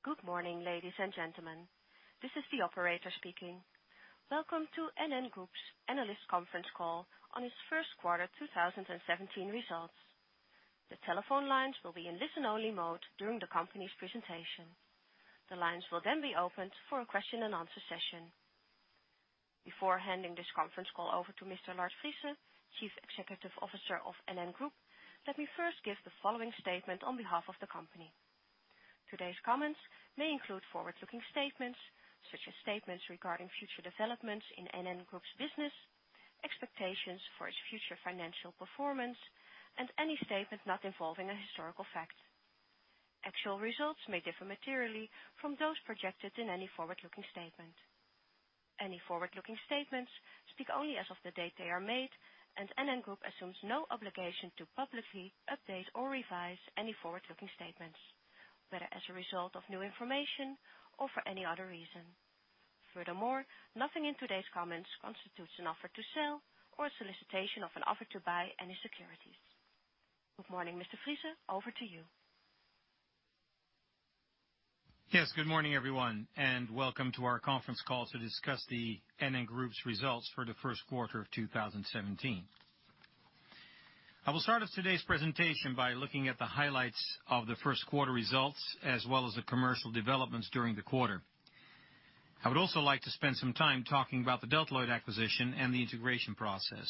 Good morning, ladies and gentlemen. This is the operator speaking. Welcome to NN Group's analyst conference call on its first quarter 2017 results. The telephone lines will be in listen-only mode during the company's presentation. The lines will then be opened for a question and answer session. Before handing this conference call over to Mr. Lard Friese, Chief Executive Officer of NN Group, let me first give the following statement on behalf of the company. Today's comments may include forward-looking statements, such as statements regarding future developments in NN Group's business, expectations for its future financial performance, and any statement not involving a historical fact. Actual results may differ materially from those projected in any forward-looking statement. Any forward-looking statements speak only as of the date they are made, NN Group assumes no obligation to publicly update or revise any forward-looking statements, whether as a result of new information or for any other reason. Furthermore, nothing in today's comments constitutes an offer to sell or a solicitation of an offer to buy any securities. Good morning, Mr. Friese. Over to you. Yes, good morning, everyone, welcome to our conference call to discuss the NN Group's results for the first quarter of 2017. I will start off today's presentation by looking at the highlights of the first quarter results, as well as the commercial developments during the quarter. I would also like to spend some time talking about the Delta Lloyd acquisition and the integration process.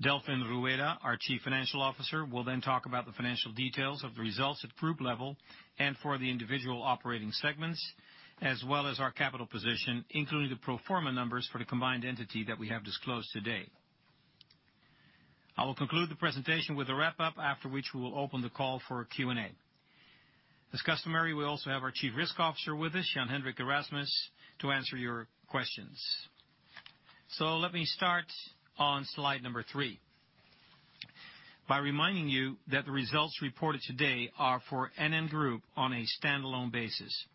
Delfin Rueda, our Chief Financial Officer, will then talk about the financial details of the results at the group level and for the individual operating segments, as well as our capital position, including the pro forma numbers for the combined entity that we have disclosed today. I will conclude the presentation with a wrap-up, after which we will open the call for Q&A. As customary, we will also have our Chief Risk Officer with us, Jan-Hendrik Erasmus, to answer your questions. Let me start on slide number three by reminding you that the results reported today are for NN Group on a standalone basis.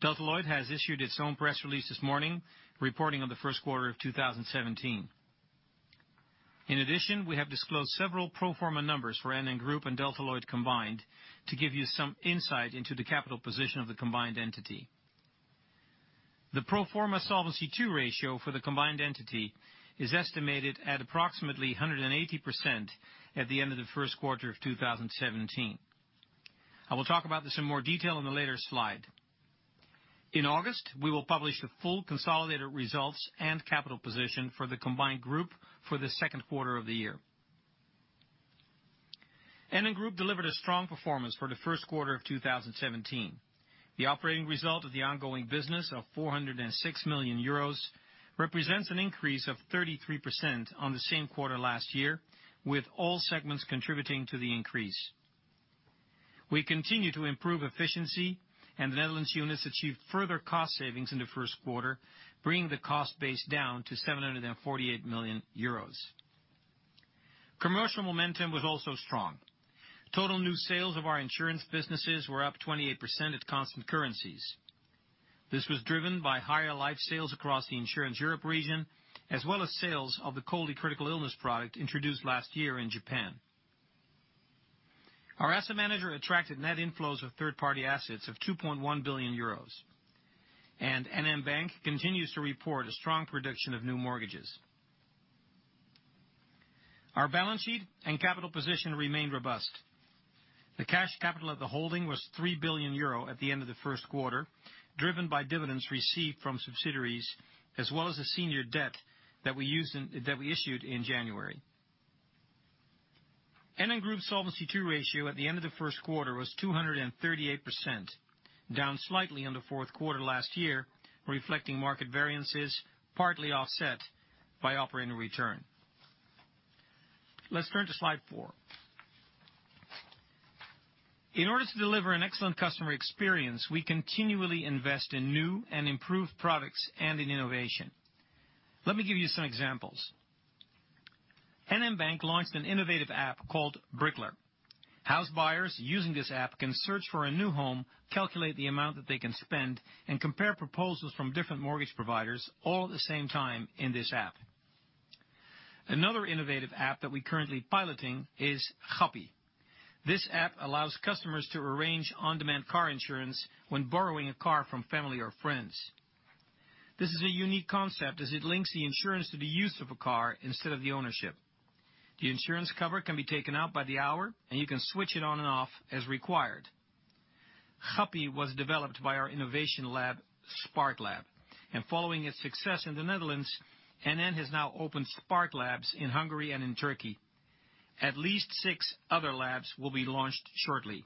Delta Lloyd has issued its own press release this morning, reporting on the first quarter of 2017. In addition, we have disclosed several pro forma numbers for NN Group and Delta Lloyd combined to give you some insight into the capital position of the combined entity. The pro forma Solvency II ratio for the combined entity is estimated at approximately 180% at the end of the first quarter of 2017. I will talk about this in more detail on a later slide. In August, we will publish the full consolidated results and capital position for the combined group for the second quarter of the year. NN Group delivered a strong performance for the first quarter of 2017. The operating result of the ongoing business of 406 million euros represents an increase of 33% on the same quarter last year, with all segments contributing to the increase. We continue to improve efficiency, and the Netherlands units achieved further cost savings in the first quarter, bringing the cost base down to 748 million euros. Commercial momentum was also strong. Total new sales of our insurance businesses were up 28% at constant currencies. This was driven by higher life sales across the Insurance Europe region, as well as sales of the COLI critical illness product introduced last year in Japan. Our asset manager attracted net inflows of third-party assets of 2.1 billion euros. NN Bank continues to report a strong prediction of new mortgages. Our balance sheet and capital position remain robust. The cash capital of the holding was 3 billion euro at the end of the first quarter, driven by dividends received from subsidiaries, as well as the senior debt that we issued in January. NN Group Solvency II ratio at the end of the first quarter was 238%, down slightly on the fourth quarter last year, reflecting market variances, partly offset by operating return. Let's turn to slide four. In order to deliver an excellent customer experience, we continually invest in new and improved products and in innovation. Let me give you some examples. NN Bank launched an innovative app called Brickler. House buyers using this app can search for a new home, calculate the amount that they can spend, and compare proposals from different mortgage providers all at the same time in this app. Another innovative app that we're currently piloting is Gappie. This app allows customers to arrange on-demand car insurance when borrowing a car from family or friends. This is a unique concept as it links the insurance to the use of a car instead of the ownership. The insurance cover can be taken out by the hour, and you can switch it on and off as required. Gappie was developed by our innovation lab, Sparklab, and following its success in the Netherlands, NN has now opened Sparklabs in Hungary and in Turkey. At least six other labs will be launched shortly.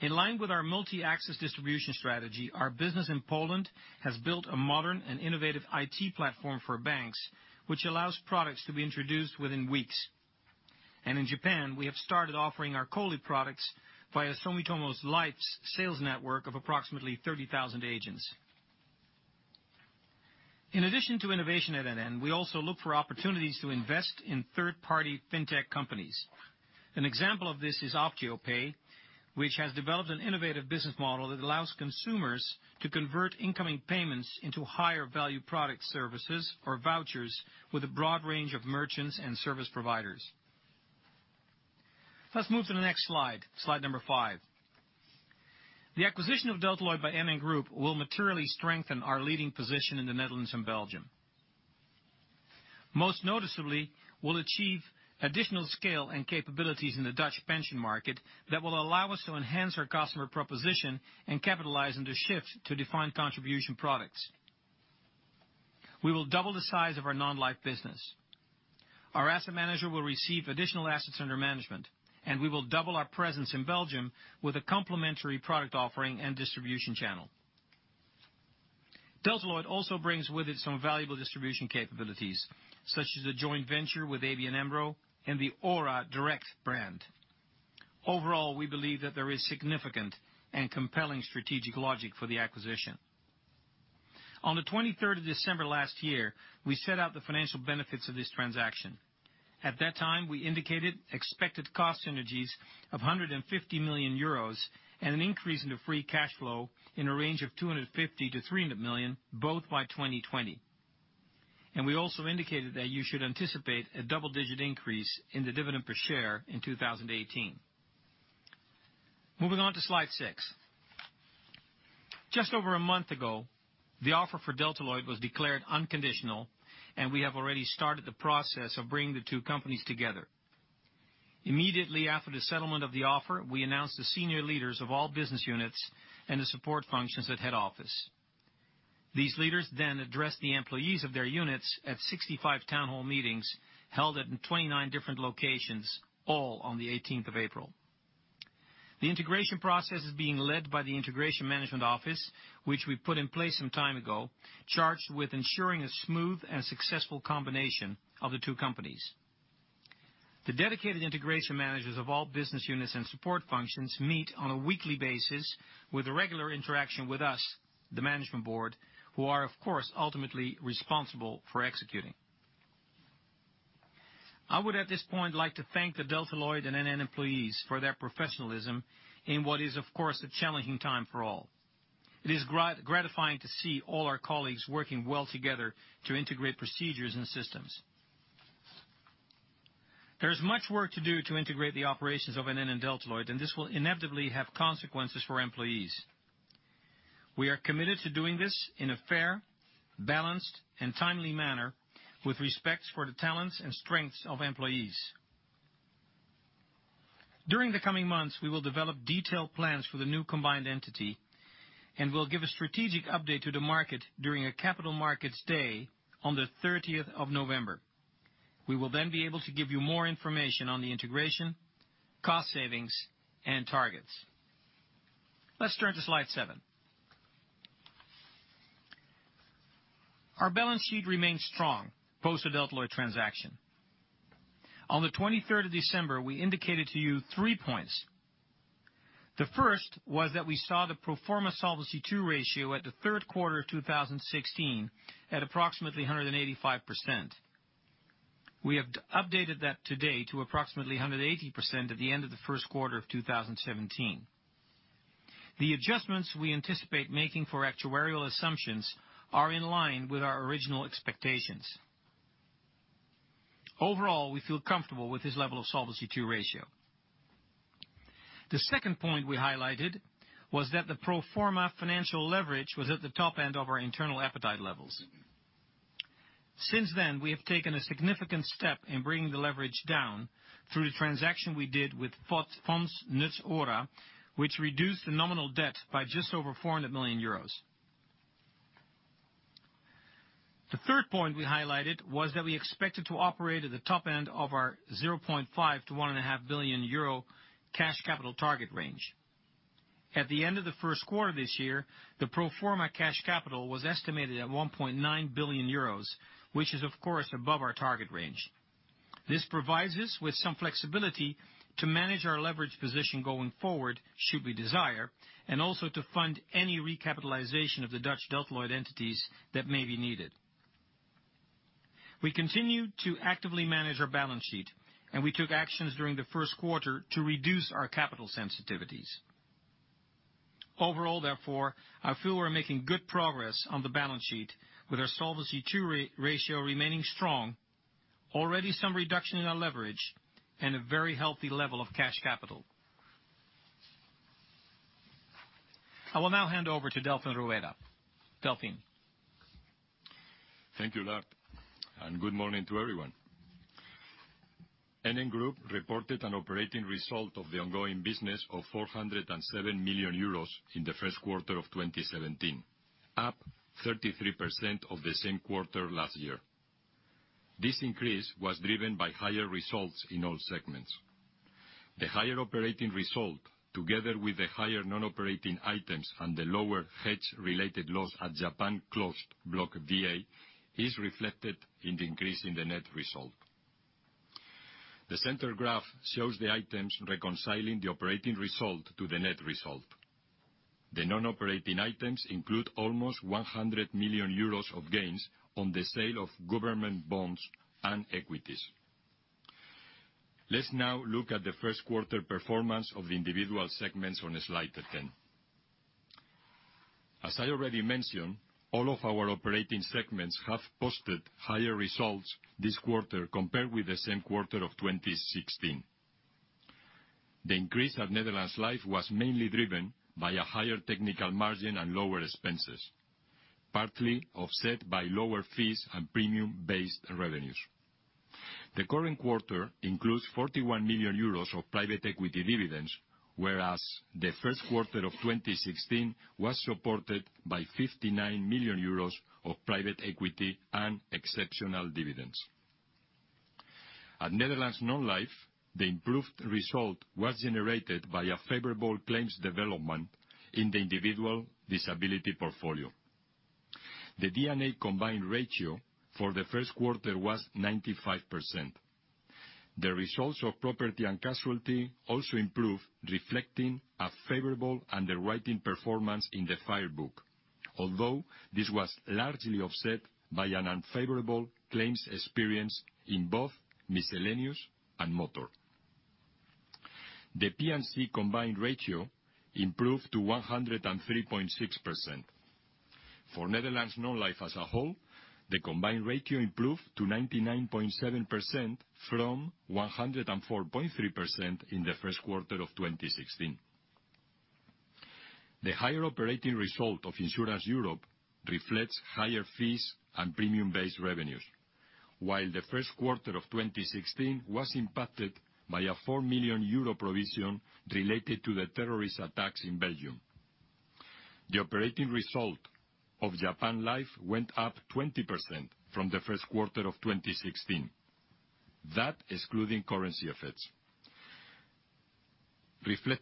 In line with our multi-access distribution strategy, our business in Poland has built a modern and innovative IT platform for banks, which allows products to be introduced within weeks. In Japan, we have started offering our COLI products via Sumitomo Life's sales network of approximately 30,000 agents. In addition to innovation at NN, we also look for opportunities to invest in third-party fintech companies. An example of this is OptioPay, which has developed an innovative business model that allows consumers to convert incoming payments into higher value product services or vouchers with a broad range of merchants and service providers. Let's move to the next slide number five. The acquisition of Delta Lloyd by NN Group will materially strengthen our leading position in the Netherlands and Belgium. Most noticeably, we will achieve additional scale and capabilities in the Dutch pension market that will allow us to enhance our customer proposition and capitalize on the shift to defined contribution products. We will double the size of our non-life business. Our asset manager will receive additional assets under management, and we will double our presence in Belgium with a complementary product offering and distribution channel. Delta Lloyd also brings with it some valuable distribution capabilities, such as a joint venture with ABN AMRO and the OHRA Direct brand. Overall, we believe that there is significant and compelling strategic logic for the acquisition. On the 23rd of December last year, we set out the financial benefits of this transaction. At that time, we indicated expected cost synergies of 150 million euros and an increase in the free cash flow in a range of 250 million to 300 million, both by 2020. We also indicated that you should anticipate a double-digit increase in the dividend per share in 2018. Moving on to slide six. Just over a month ago, the offer for Delta Lloyd was declared unconditional, we have already started the process of bringing the two companies together. Immediately after the settlement of the offer, we announced the senior leaders of all business units and the support functions at head office. These leaders then addressed the employees of their units at 65 town hall meetings held at 29 different locations, all on the 18th of April. The integration process is being led by the integration management office, which we put in place some time ago, charged with ensuring a smooth and successful combination of the two companies. The dedicated integration managers of all business units and support functions meet on a weekly basis with regular interaction with us, the management board, who are, of course, ultimately responsible for executing. I would at this point like to thank the Delta Lloyd and NN employees for their professionalism in what is, of course, a challenging time for all. It is gratifying to see all our colleagues working well together to integrate procedures and systems. There is much work to do to integrate the operations of NN and Delta Lloyd, and this will inevitably have consequences for employees. We are committed to doing this in a fair, balanced, and timely manner with respect for the talents and strengths of employees. During the coming months, we will develop detailed plans for the new combined entity and will give a strategic update to the market during a capital markets day on the 30th of November. We will then be able to give you more information on the integration, cost savings, and targets. Let's turn to slide seven. Our balance sheet remains strong post the Delta Lloyd transaction. On the 23rd of December, we indicated to you three points. The first was that we saw the pro forma Solvency II ratio at the third quarter of 2016 at approximately 185%. We have updated that today to approximately 180% at the end of the first quarter of 2017. The adjustments we anticipate making for actuarial assumptions are in line with our original expectations. Overall, we feel comfortable with this level of Solvency II ratio. The second point we highlighted was that the pro forma financial leverage was at the top end of our internal appetite levels. Since then, we have taken a significant step in bringing the leverage down through the transaction we did with Fonds NutsOhra, which reduced the nominal debt by just over 400 million euros. The third point we highlighted was that we expected to operate at the top end of our 0.5 billion euro to 1.5 billion euro cash capital target range. At the end of the first quarter this year, the pro forma cash capital was estimated at 1.9 billion euros, which is, of course, above our target range. This provides us with some flexibility to manage our leverage position going forward should we desire, and also to fund any recapitalization of the Dutch Delta Lloyd entities that may be needed. We continue to actively manage our balance sheet, and we took actions during the first quarter to reduce our capital sensitivities. Overall, therefore, I feel we are making good progress on the balance sheet with our Solvency II ratio remaining strong, already some reduction in our leverage, and a very healthy level of cash capital. I will now hand over to Delfin Rueda. Delfin. Thank you, Lard, and good morning to everyone. NN Group reported an operating result of the ongoing business of 407 million euros in the first quarter of 2017, up 33% of the same quarter last year. This increase was driven by higher results in all segments. The higher operating result, together with the higher non-operating items and the lower hedge-related loss at Japan Closed Block VA, is reflected in the increase in the net result. The center graph shows the items reconciling the operating result to the net result. The non-operating items include almost 100 million euros of gains on the sale of government bonds and equities. Let's now look at the first quarter performance of the individual segments on slide 10. As I already mentioned, all of our operating segments have posted higher results this quarter compared with the same quarter of 2016. The increase at Netherlands Life was mainly driven by a higher technical margin and lower expenses, partly offset by lower fees and premium-based revenues. The current quarter includes 41 million euros of private equity dividends, whereas the first quarter of 2016 was supported by 59 million euros of private equity and exceptional dividends. At Netherlands Non-life, the improved result was generated by a favorable claims development in the individual disability portfolio. The NN combined ratio for the first quarter was 95%. The results of property and casualty also improved, reflecting a favorable underwriting performance in the fire book, although this was largely offset by an unfavorable claims experience in both miscellaneous and motor. The P&C combined ratio improved to 103.6%. For Netherlands Non-life as a whole, the combined ratio improved to 99.7% from 104.3% in the first quarter of 2016. The higher operating result of Insurance Europe reflects higher fees and premium-based revenues, while the first quarter of 2016 was impacted by a 4 million euro provision related to the terrorist attacks in Belgium. The operating result of Japan Life went up 20% from the first quarter of 2016, excluding currency effects.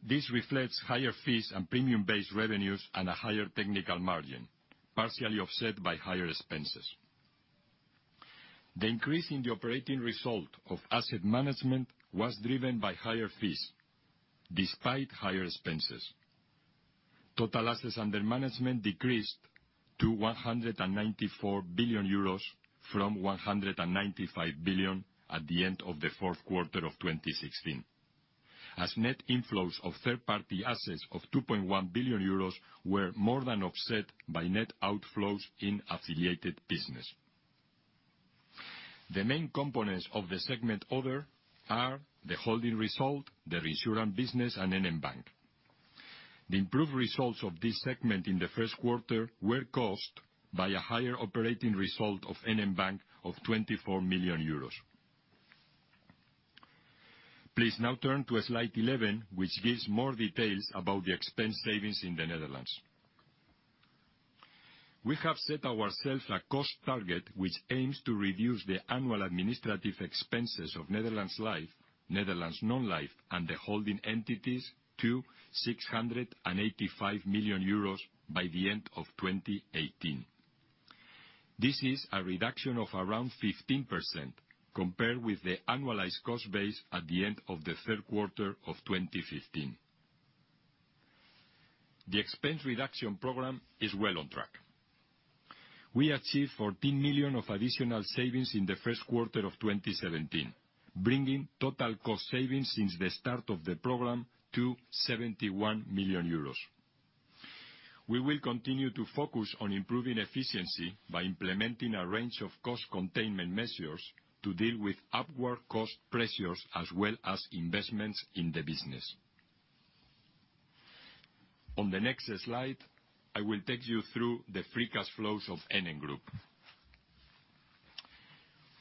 This reflects higher fees and premium-based revenues and a higher technical margin, partially offset by higher expenses. The increase in the operating result of asset management was driven by higher fees despite higher expenses. Total assets under management decreased to 194 billion euros from 195 billion at the end of the fourth quarter of 2016, as net inflows of third-party assets of 2.1 billion euros were more than offset by net outflows in affiliated business. The main components of the segment other are the holding result, the reinsurance business, and NN Bank. The improved results of this segment in the first quarter were caused by a higher operating result of NN Bank of €24 million. Please now turn to slide 11, which gives more details about the expense savings in the Netherlands. We have set ourselves a cost target which aims to reduce the annual administrative expenses of Netherlands Life, Netherlands Non-life, and the holding entities to €685 million by the end of 2018. This is a reduction of around 15% compared with the annualized cost base at the end of the third quarter of 2015. The expense reduction program is well on track. We achieved 14 million of additional savings in the first quarter of 2017, bringing total cost savings since the start of the program to €71 million. We will continue to focus on improving efficiency by implementing a range of cost containment measures to deal with upward cost pressures as well as investments in the business. On the next slide, I will take you through the free cash flows of NN Group.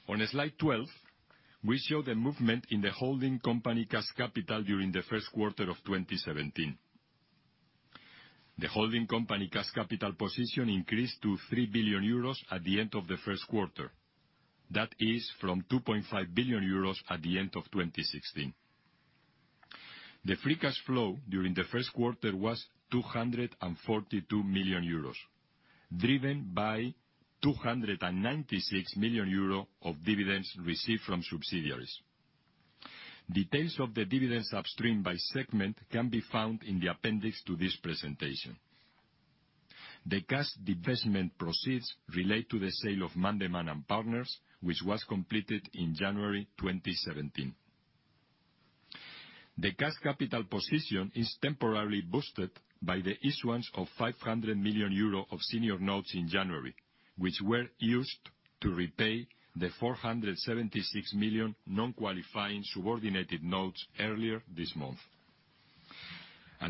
On slide 12, we show the movement in the holding company cash capital during the first quarter of 2017. The holding company cash capital position increased to €3 billion at the end of the first quarter. That is from €2.5 billion at the end of 2016. The free cash flow during the first quarter was €242 million, driven by €296 million of dividends received from subsidiaries. Details of the dividends upstream by segment can be found in the appendix to this presentation. The cash divestment proceeds relate to the sale of Mandema & Partners, which was completed in January 2017. The cash capital position is temporarily boosted by the issuance of €500 million of senior notes in January, which were used to repay the 476 million non-qualifying subordinated notes earlier this month.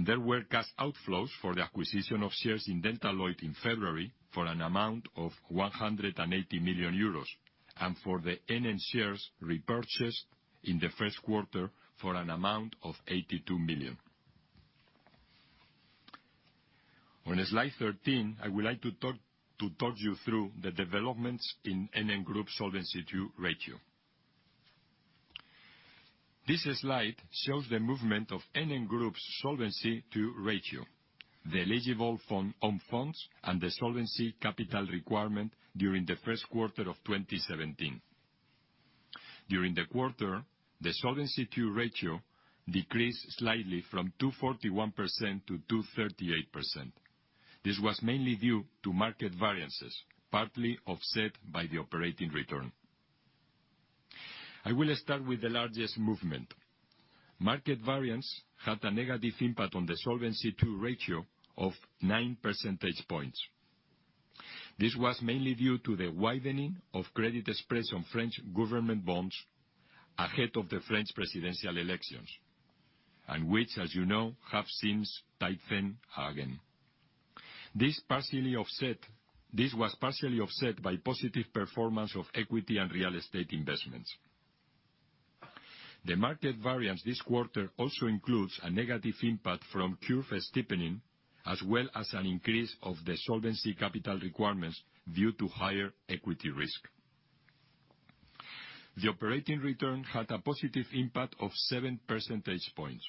There were cash outflows for the acquisition of shares in Delta Lloyd in February for an amount of €180 million, and for the NN shares repurchased in the first quarter for an amount of 82 million. On slide 13, I would like to talk you through the developments in NN Group Solvency II ratio. This slide shows the movement of NN Group's Solvency II ratio, the eligible own funds, and the solvency capital requirement during the first quarter of 2017. During the quarter, the Solvency II ratio decreased slightly from 241% to 238%. This was mainly due to market variances, partly offset by the operating return. I will start with the largest movement. Market variance had a negative impact on the Solvency II ratio of nine percentage points. This was mainly due to the widening of credit spreads on French government bonds ahead of the French presidential elections, which, as you know, have since tightened again. This was partially offset by positive performance of equity and real estate investments. The market variance this quarter also includes a negative impact from curve steepening, as well as an increase of the solvency capital requirements due to higher equity risk. The operating return had a positive impact of seven percentage points.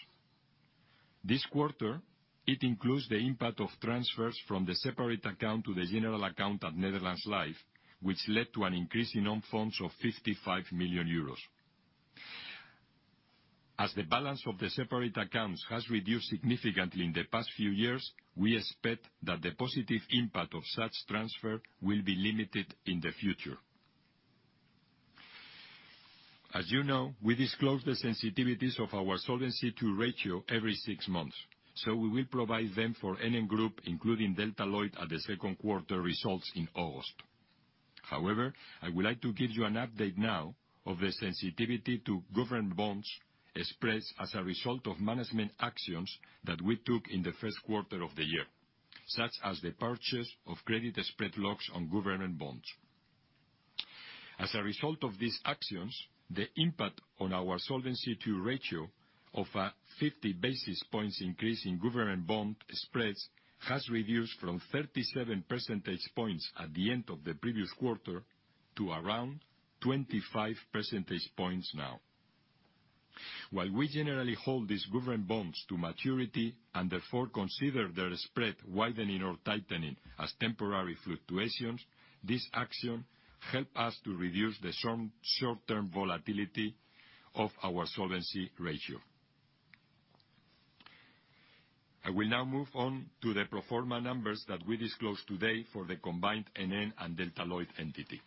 This quarter, it includes the impact of transfers from the separate account to the general account at Netherlands Life, which led to an increase in own funds of 55 million euros. As the balance of the separate accounts has reduced significantly in the past few years, we expect that the positive impact of such transfer will be limited in the future. As you know, we disclose the sensitivities of our Solvency II ratio every six months, so we will provide them for NN Group, including Delta Lloyd, at the second quarter results in August. However, I would like to give you an update now of the sensitivity to government bonds spreads as a result of management actions that we took in the first quarter of the year, such as the purchase of credit spread locks on government bonds. As a result of these actions, the impact on our Solvency II ratio of a 50 basis points increase in government bond spreads has reduced from 37 percentage points at the end of the previous quarter to around 25 percentage points now. While we generally hold these government bonds to maturity and therefore consider their spread widening or tightening as temporary fluctuations, this action help us to reduce the short-term volatility of our Solvency ratio. I will now move on to the pro forma numbers that we disclose today for the combined NN and Delta Lloyd entity.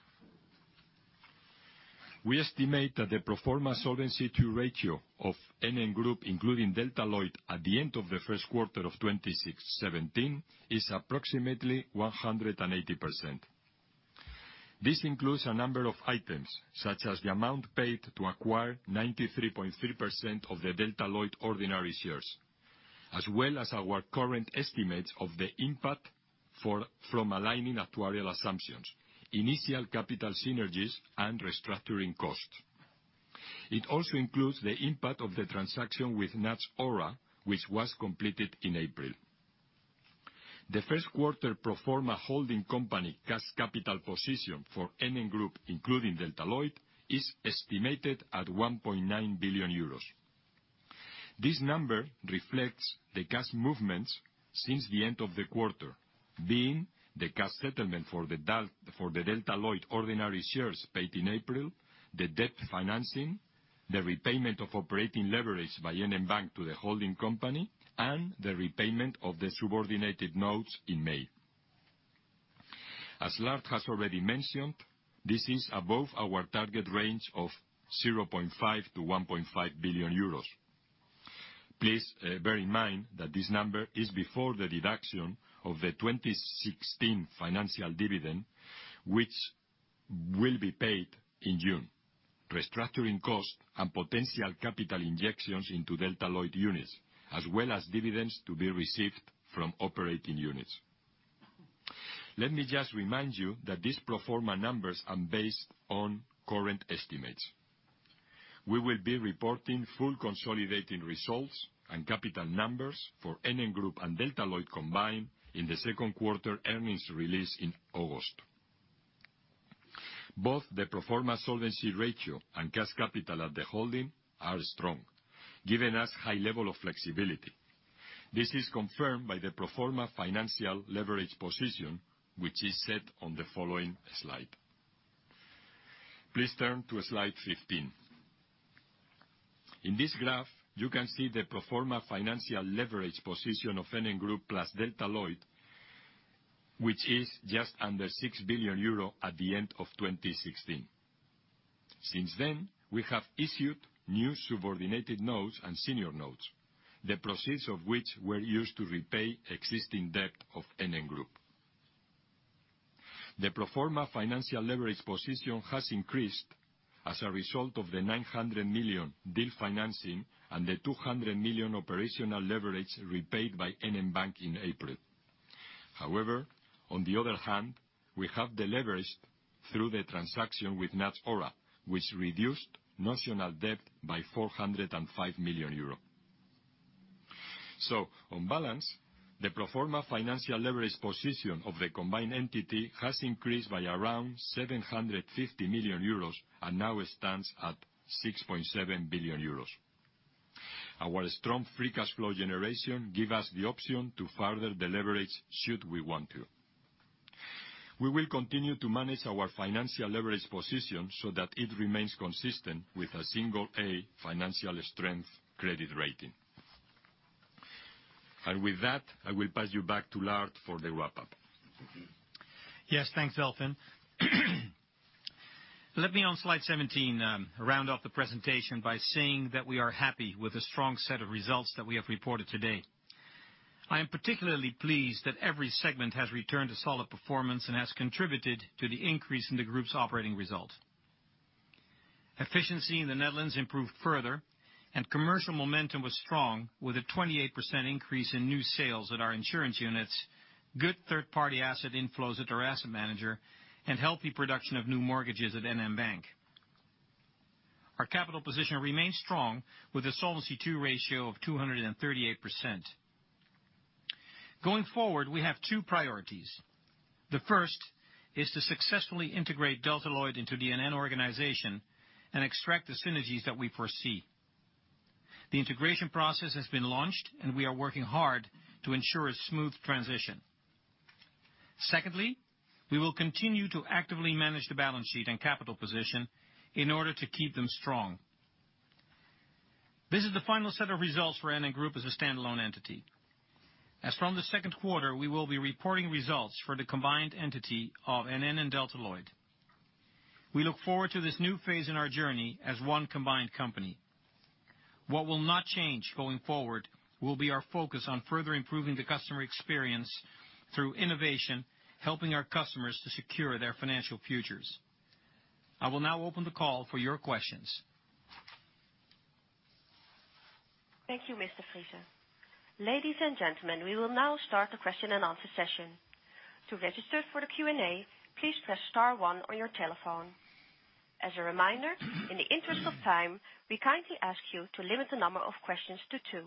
We estimate that the pro forma Solvency II ratio of NN Group, including Delta Lloyd, at the end of the first quarter of 2017, is approximately 180%. This includes a number of items, such as the amount paid to acquire 93.3% of the Delta Lloyd ordinary shares. As well as our current estimates of the impact from aligning actuarial assumptions, initial capital synergies, and restructuring costs. It also includes the impact of the transaction with Fonds NutsOhra, which was completed in April. The first quarter pro forma holding company cash capital position for NN Group, including Delta Lloyd, is estimated at 1.9 billion euros. This number reflects the cash movements since the end of the quarter, being the cash settlement for the Delta Lloyd ordinary shares paid in April, the debt financing, the repayment of operating leverage by NN Bank to the holding company, and the repayment of the subordinated notes in May. As Lard has already mentioned, this is above our target range of 0.5 billion-1.5 billion euros. Please bear in mind that this number is before the deduction of the 2016 financial dividend, which will be paid in June. Restructuring costs and potential capital injections into Delta Lloyd units, as well as dividends to be received from operating units. Let me just remind you that these pro forma numbers are based on current estimates. We will be reporting full consolidating results and capital numbers for NN Group and Delta Lloyd combined in the second quarter earnings release in August. Both the pro forma Solvency ratio and cash capital at the holding are strong, giving us high level of flexibility. This is confirmed by the pro forma financial leverage position, which is set on the following slide. Please turn to slide 15. In this graph, you can see the pro forma financial leverage position of NN Group plus Delta Lloyd, which is just under 6 billion euro at the end of 2016. Since then, we have issued new subordinated notes and senior notes, the proceeds of which were used to repay existing debt of NN Group. The pro forma financial leverage position has increased as a result of the 900 million deal financing and the 200 million operational leverage repaid by NN Bank in April. On the other hand, we have deleveraged through the transaction with Fonds NutsOhra, which reduced notional debt by 405 million euros. On balance, the pro forma financial leverage position of the combined entity has increased by around 750 million euros and now stands at 6.7 billion euros. Our strong free cash flow generation give us the option to further deleverage should we want to. We will continue to manage our financial leverage position so that it remains consistent with a single A financial strength credit rating. With that, I will pass you back to Lard for the wrap-up. Thanks, Delfin. Let me, on slide 17, round off the presentation by saying that we are happy with the strong set of results that we have reported today. I am particularly pleased that every segment has returned to solid performance and has contributed to the increase in the group's operating result. Efficiency in the Netherlands improved further, and commercial momentum was strong with a 28% increase in new sales at our insurance units, good third-party asset inflows at our asset manager, and healthy production of new mortgages at NN Bank. Our capital position remains strong with a Solvency II ratio of 238%. Going forward, we have two priorities. The first is to successfully integrate Delta Lloyd into the NN organization and extract the synergies that we foresee. The integration process has been launched, and we are working hard to ensure a smooth transition. Secondly, we will continue to actively manage the balance sheet and capital position in order to keep them strong. This is the final set of results for NN Group as a standalone entity. As from the second quarter, we will be reporting results for the combined entity of NN and Delta Lloyd. We look forward to this new phase in our journey as one combined company. What will not change going forward will be our focus on further improving the customer experience through innovation, helping our customers to secure their financial futures. I will now open the call for your questions. Thank you, Mr. Friese. Ladies and gentlemen, we will now start the question and answer session. To register for the Q&A, please press star one on your telephone. As a reminder, in the interest of time, we kindly ask you to limit the number of questions to two.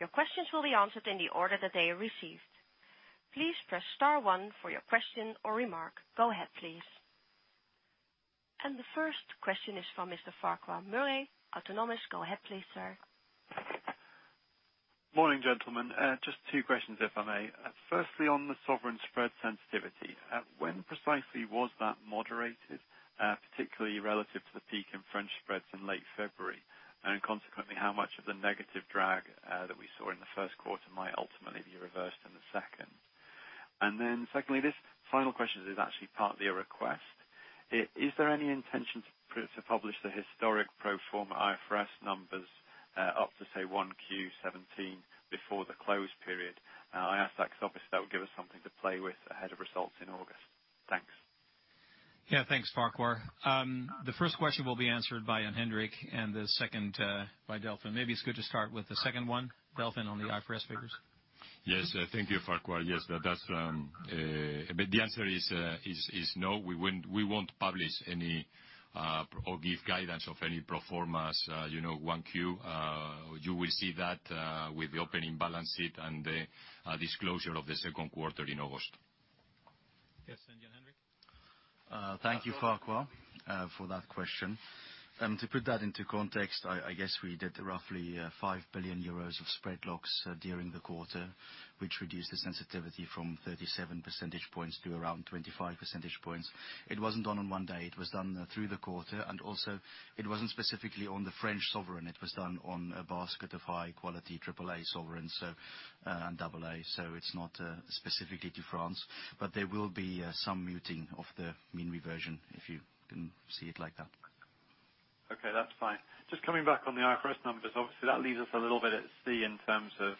Your questions will be answered in the order that they are received. Please press star one for your question or remark. Go ahead, please. The first question is from Mr. Farquhar Murray, Autonomous. Go ahead please, sir. Morning, gentlemen. Just two questions, if I may. Firstly, on the sovereign spread sensitivity, when precisely was that moderated, particularly relative to the peak in French spreads in late February? Consequently, how much of the negative drag that we saw in the first quarter might ultimately be reversed in the second? Secondly, this final question is actually partly a request. Is there any intention to publish the historic pro forma IFRS numbers up to, say, Q1 2017 before the close period? I ask that because obviously that would give us something to play with ahead of results in August. Thanks. Thanks, Farquhar. The first question will be answered by Jan-Hendrik and the second by Delfin. Maybe it's good to start with the second one, Delfin, on the IFRS figures. Yes. Thank you, Farquhar. The answer is no. We won't publish any or give guidance of any pro formas Q1. You will see that with the opening balance sheet and the disclosure of the second quarter in August. Jan-Hendrik. Thank you, Farquhar, for that question. To put that into context, I guess we did roughly 5 billion euros of credit spread locks during the quarter, which reduced the sensitivity from 37 percentage points to around 25 percentage points. It wasn't done on one day. It was done through the quarter, and also it wasn't specifically on the French sovereign. It was done on a basket of high-quality AAA sovereigns and AA, so it's not specifically to France. There will be some muting of the mean reversion, if you can see it like that. Okay, that's fine. Just coming back on the IFRS numbers, obviously that leaves us a little bit at sea in terms of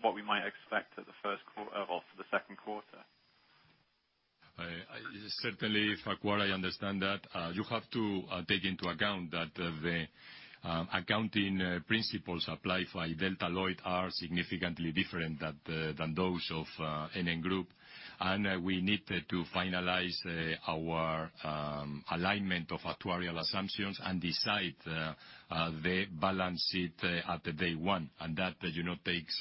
what we might expect off the second quarter. Certainly, Farquhar, I understand that. You have to take into account that the accounting principles applied by Delta Lloyd are significantly different than those of NN Group. We need to finalize our alignment of actuarial assumptions and decide the balance sheet at the day one. That takes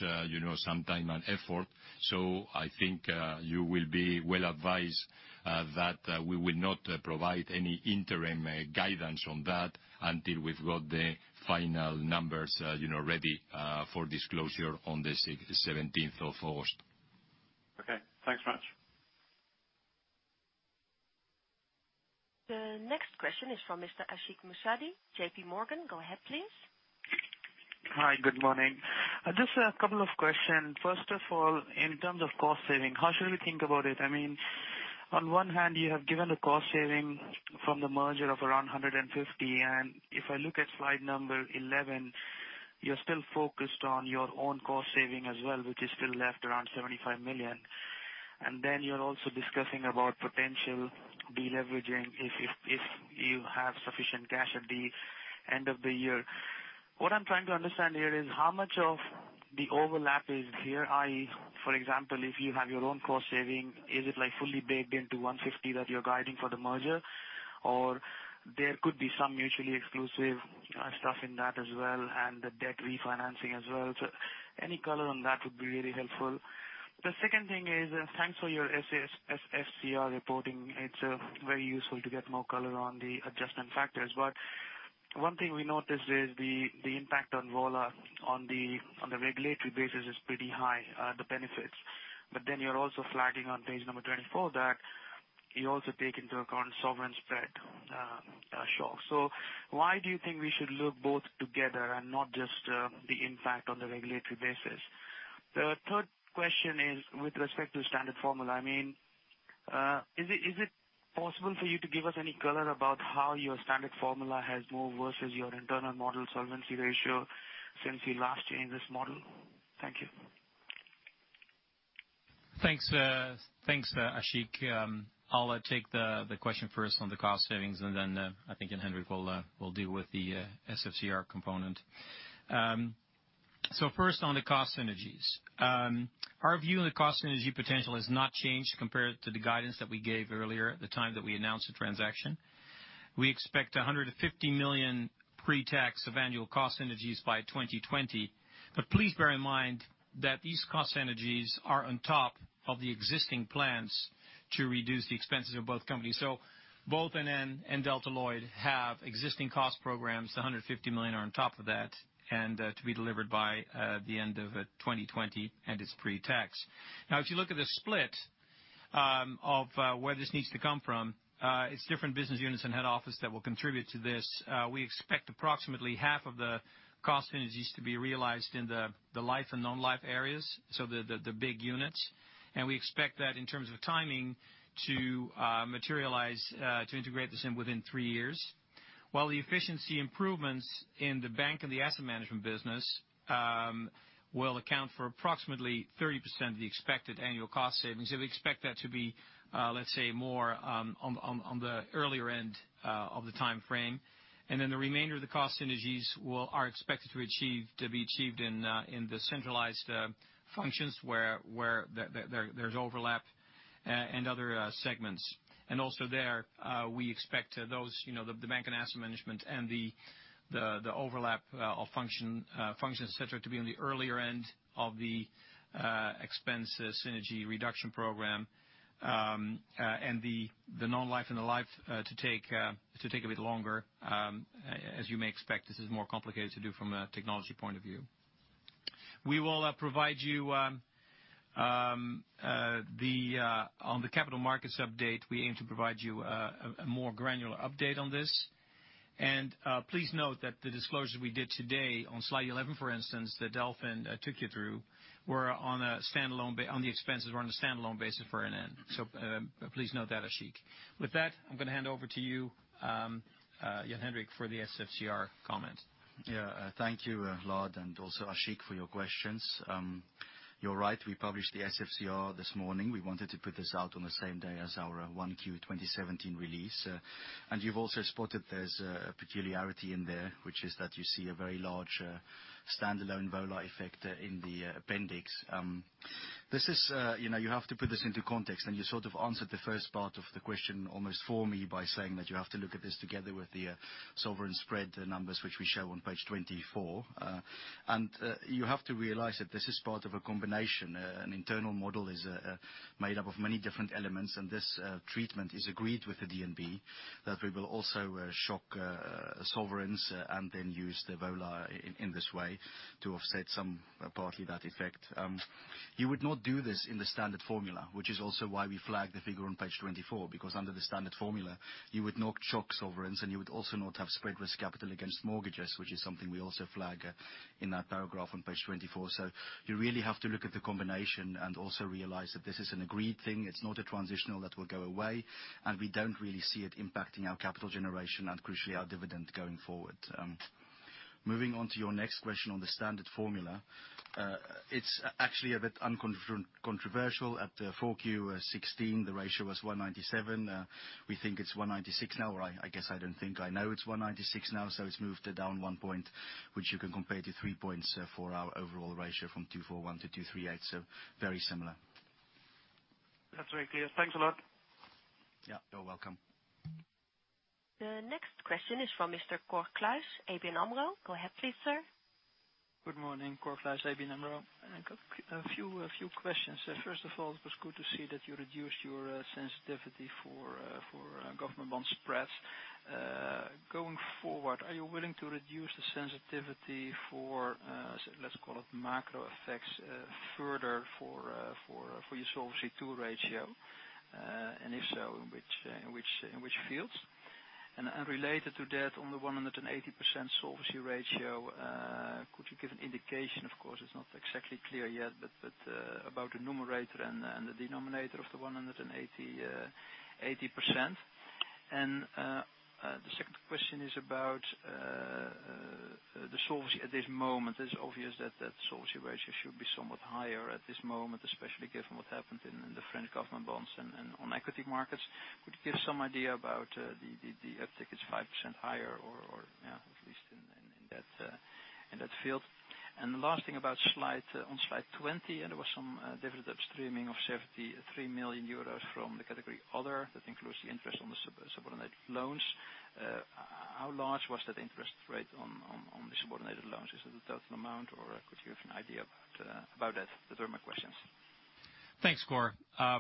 some time and effort. I think you will be well advised that we will not provide any interim guidance on that until we've got the final numbers ready for disclosure on the 17th of August. Okay. Thanks much. The next question is from Mr. Ashik Musaddi, J.P. Morgan. Go ahead, please. Hi. Good morning. Just a couple of questions. First of all, in terms of cost saving, how should we think about it? I mean, on one hand, you have given a cost saving from the merger of around 150 million. If I look at slide number 11, you're still focused on your own cost saving as well, which is still left around 75 million. You're also discussing about potential deleveraging if you have sufficient cash at the end of the year. What I'm trying to understand here is how much of the overlap is here, i.e., for example, if you have your own cost saving, is it fully baked into 150 million that you're guiding for the merger? There could be some mutually exclusive stuff in that as well, and the debt refinancing as well. Any color on that would be really helpful. The second thing is, thanks for your SFCR reporting. It's very useful to get more color on the adjustment factors. One thing we notice is the impact on VOLA on the regulatory basis is pretty high, the benefits. You're also flagging on page number 24 that you also take into account sovereign spread shocks. Why do you think we should look both together and not just the impact on the regulatory basis? The third question is with respect to Standard Formula. Is it possible for you to give us any color about how your Standard Formula has moved versus your Internal Model solvency ratio since you last changed this model? Thank you. Thanks, Ashik. I'll take the question first on the cost savings, and then I think Jan-Hendrik will deal with the SFCR component. First on the cost synergies. Our view on the cost synergy potential has not changed compared to the guidance that we gave earlier at the time that we announced the transaction. We expect 150 million pre-tax of annual cost synergies by 2020. Please bear in mind that these cost synergies are on top of the existing plans to reduce the expenses of both companies. Both NN and Delta Lloyd have existing cost programs. The 150 million are on top of that, and to be delivered by the end of 2020, and it's pre-tax. Now if you look at the split of where this needs to come from, it's different business units and head office that will contribute to this. We expect approximately half of the cost synergies to be realized in the life and non-life areas, so the big units. We expect that in terms of timing to materialize, to integrate this in within three years. While the efficiency improvements in the bank and the asset management business will account for approximately 30% of the expected annual cost savings, and we expect that to be, let's say, more on the earlier end of the timeframe. The remainder of the cost synergies are expected to be achieved in the centralized functions where there's overlap and other segments. Also there, we expect the bank and asset management and the overlap of functions, et cetera, to be on the earlier end of the expense synergy reduction program. The non-life and the life to take a bit longer. As you may expect, this is more complicated to do from a technology point of view. On the capital markets update, we aim to provide you a more granular update on this. Please note that the disclosure we did today on slide 11, for instance, that Delfin took you through, on the expenses, were on a standalone basis for NN. Please note that, Ashik. With that, I'm going to hand over to you, Jan-Hendrik, for the SFCR comment. Thank you, Lard, and also Ashik for your questions. You're right. We published the SFCR this morning. We wanted to put this out on the same day as our 1Q2017 release. You've also spotted there's a peculiarity in there, which is that you see a very large standalone VOLA effect in the appendix. You have to put this into context, and you sort of answered the first part of the question almost for me by saying that you have to look at this together with the sovereign spread numbers, which we show on page 24. You have to realize that this is part of a combination. An Internal Model is made up of many different elements, and this treatment is agreed with the DNB, that we will also shock sovereigns and then use the VOLA in this way to offset partly that effect. You would not do this in the Standard Formula, which is also why we flag the figure on page 24, because under the Standard Formula, you would not shock sovereigns, and you would also not have spread risk capital against mortgages, which is something we also flag in that paragraph on page 24. You really have to look at the combination and also realize that this is an agreed thing. It's not a transitional that will go away, and we don't really see it impacting our capital generation and crucially, our dividend going forward. Moving on to your next question on the Standard Formula. It's actually a bit controversial. At the 4Q 2016, the ratio was 197. We think it's 196 now, or I guess I don't think I know it's 196 now. It's moved down 1 point, which you can compare to 3 points for our overall ratio from 241 to 238, very similar. That's very clear. Thanks a lot. Yeah, you're welcome. The next question is from Mr. Cor Kluis, ABN AMRO. Go ahead please, sir. Good morning. Cor Kluis, ABN AMRO. I've got a few questions. First of all, it was good to see that you reduced your sensitivity for government bond spreads. Going forward, are you willing to reduce the sensitivity for, let's call it macro effects, further for your Solvency II ratio? If so, in which fields? Related to that, on the 180% solvency ratio, could you give an indication, of course it's not exactly clear yet, but about the numerator and the denominator of the 180%? The second question is about the solvency at this moment. It's obvious that solvency ratio should be somewhat higher at this moment, especially given what happened in the French government bonds and on equity markets. Could you give some idea about the uptick is 5% higher, or at least in that field. The last thing on slide 20, there was some dividend streaming of 73 million euros from the category other. That includes the interest on the subordinated loans. How large was that interest rate on the subordinated loans? Is it a total amount, or could you have an idea about that? Those are my questions. Thanks, Cor.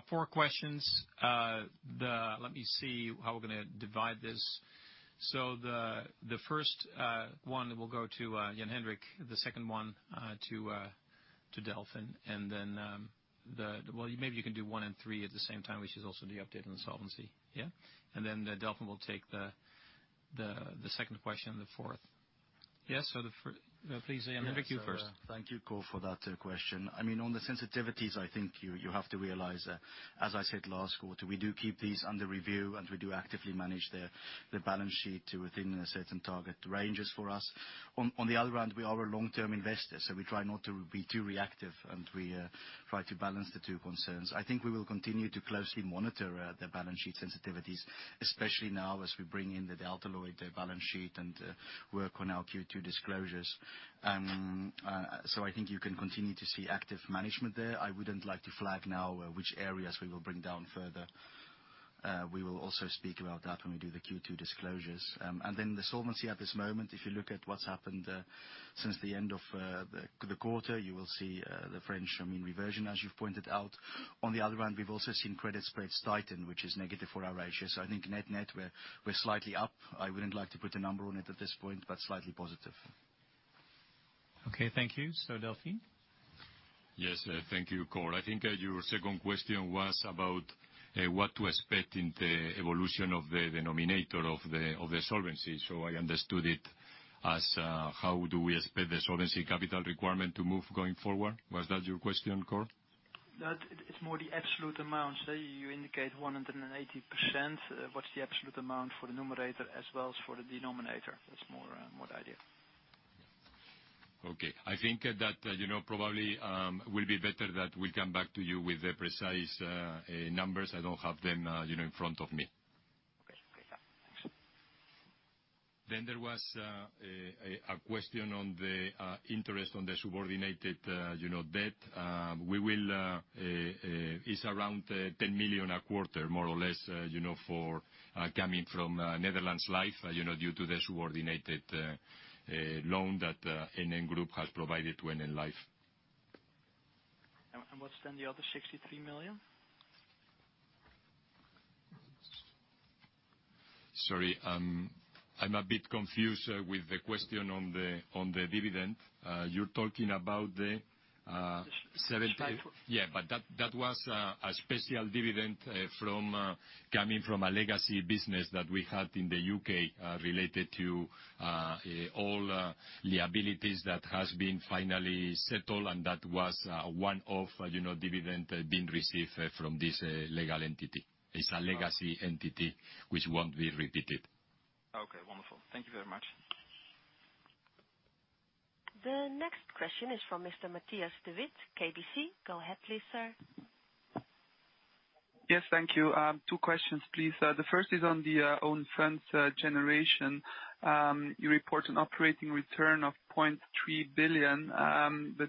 4 questions. Let me see how we're going to divide this. The first one will go to Jan-Hendrik, the second one to Delfin, and then, well, maybe you can do one and three at the same time, which is also the update on solvency. Yeah. Then Delfin will take the second question and the fourth. Yes. Please, Jan-Hendrik, you first. Thank you, Cor, for that question. On the sensitivities, I think you have to realize that, as I said last quarter, we do keep these under review, and we do actively manage the balance sheet to within certain target ranges for us. On the other hand, we are a long-term investor, so we try not to be too reactive, and we try to balance the two concerns. I think we will continue to closely monitor the balance sheet sensitivities, especially now as we bring in the Delta Lloyd balance sheet and work on our Q2 disclosures. I think you can continue to see active management there. I wouldn't like to flag now which areas we will bring down further. We will also speak about that when we do the Q2 disclosures. The solvency at this moment, if you look at what's happened since the end of the quarter, you will see the French mean reversion, as you've pointed out. On the other hand, we've also seen credit spreads tighten, which is negative for our ratios. I think net-net, we're slightly up. I wouldn't like to put a number on it at this point, but slightly positive. Okay. Thank you. Delfin? Yes. Thank you, Cor. I think your second question was about what to expect in the evolution of the denominator of the solvency. I understood it as how do we expect the solvency capital requirement to move going forward. Was that your question, Cor? No, it's more the absolute amounts. You indicate 180%. What's the absolute amount for the numerator as well as for the denominator? That's more the idea. Okay. I think that probably it will be better that we will come back to you with the precise numbers. I do not have them in front of me. Okay. Thanks. There was a question on the interest on the subordinated debt. It is around 10 million a quarter, more or less, coming from Netherlands Life, due to the subordinated loan that NN Group has provided to NN Life. What is then the other EUR 63 million? Sorry, I'm a bit confused with the question on the dividend. 75- Yeah. That was a special dividend coming from a legacy business that we had in the U.K., related to all liabilities that has been finally settled, and that was a one-off dividend being received from this legal entity. It's a legacy entity, which won't be repeated. Okay, wonderful. Thank you very much. The next question is from Mr. Matthias De Wit, KBC. Go ahead please, sir. Yes. Thank you. Two questions, please. The first is on the own funds generation. You report an operating return of 0.3 billion.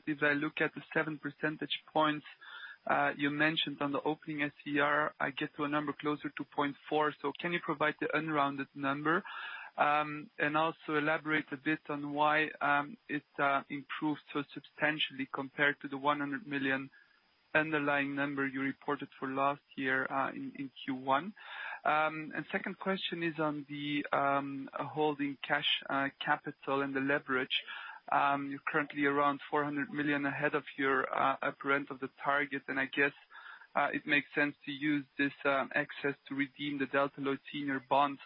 If I look at the seven percentage points you mentioned on the opening SCR, I get to a number closer to 0.4. Can you provide the unrounded number? Also elaborate a bit on why it improved so substantially compared to the 100 million underlying number you reported for last year in Q1. The second question is on the holding cash capital and the leverage. You're currently around 400 million ahead of your upper end of the target, and I guess it makes sense to use this excess to redeem the Delta Lloyd senior bonds.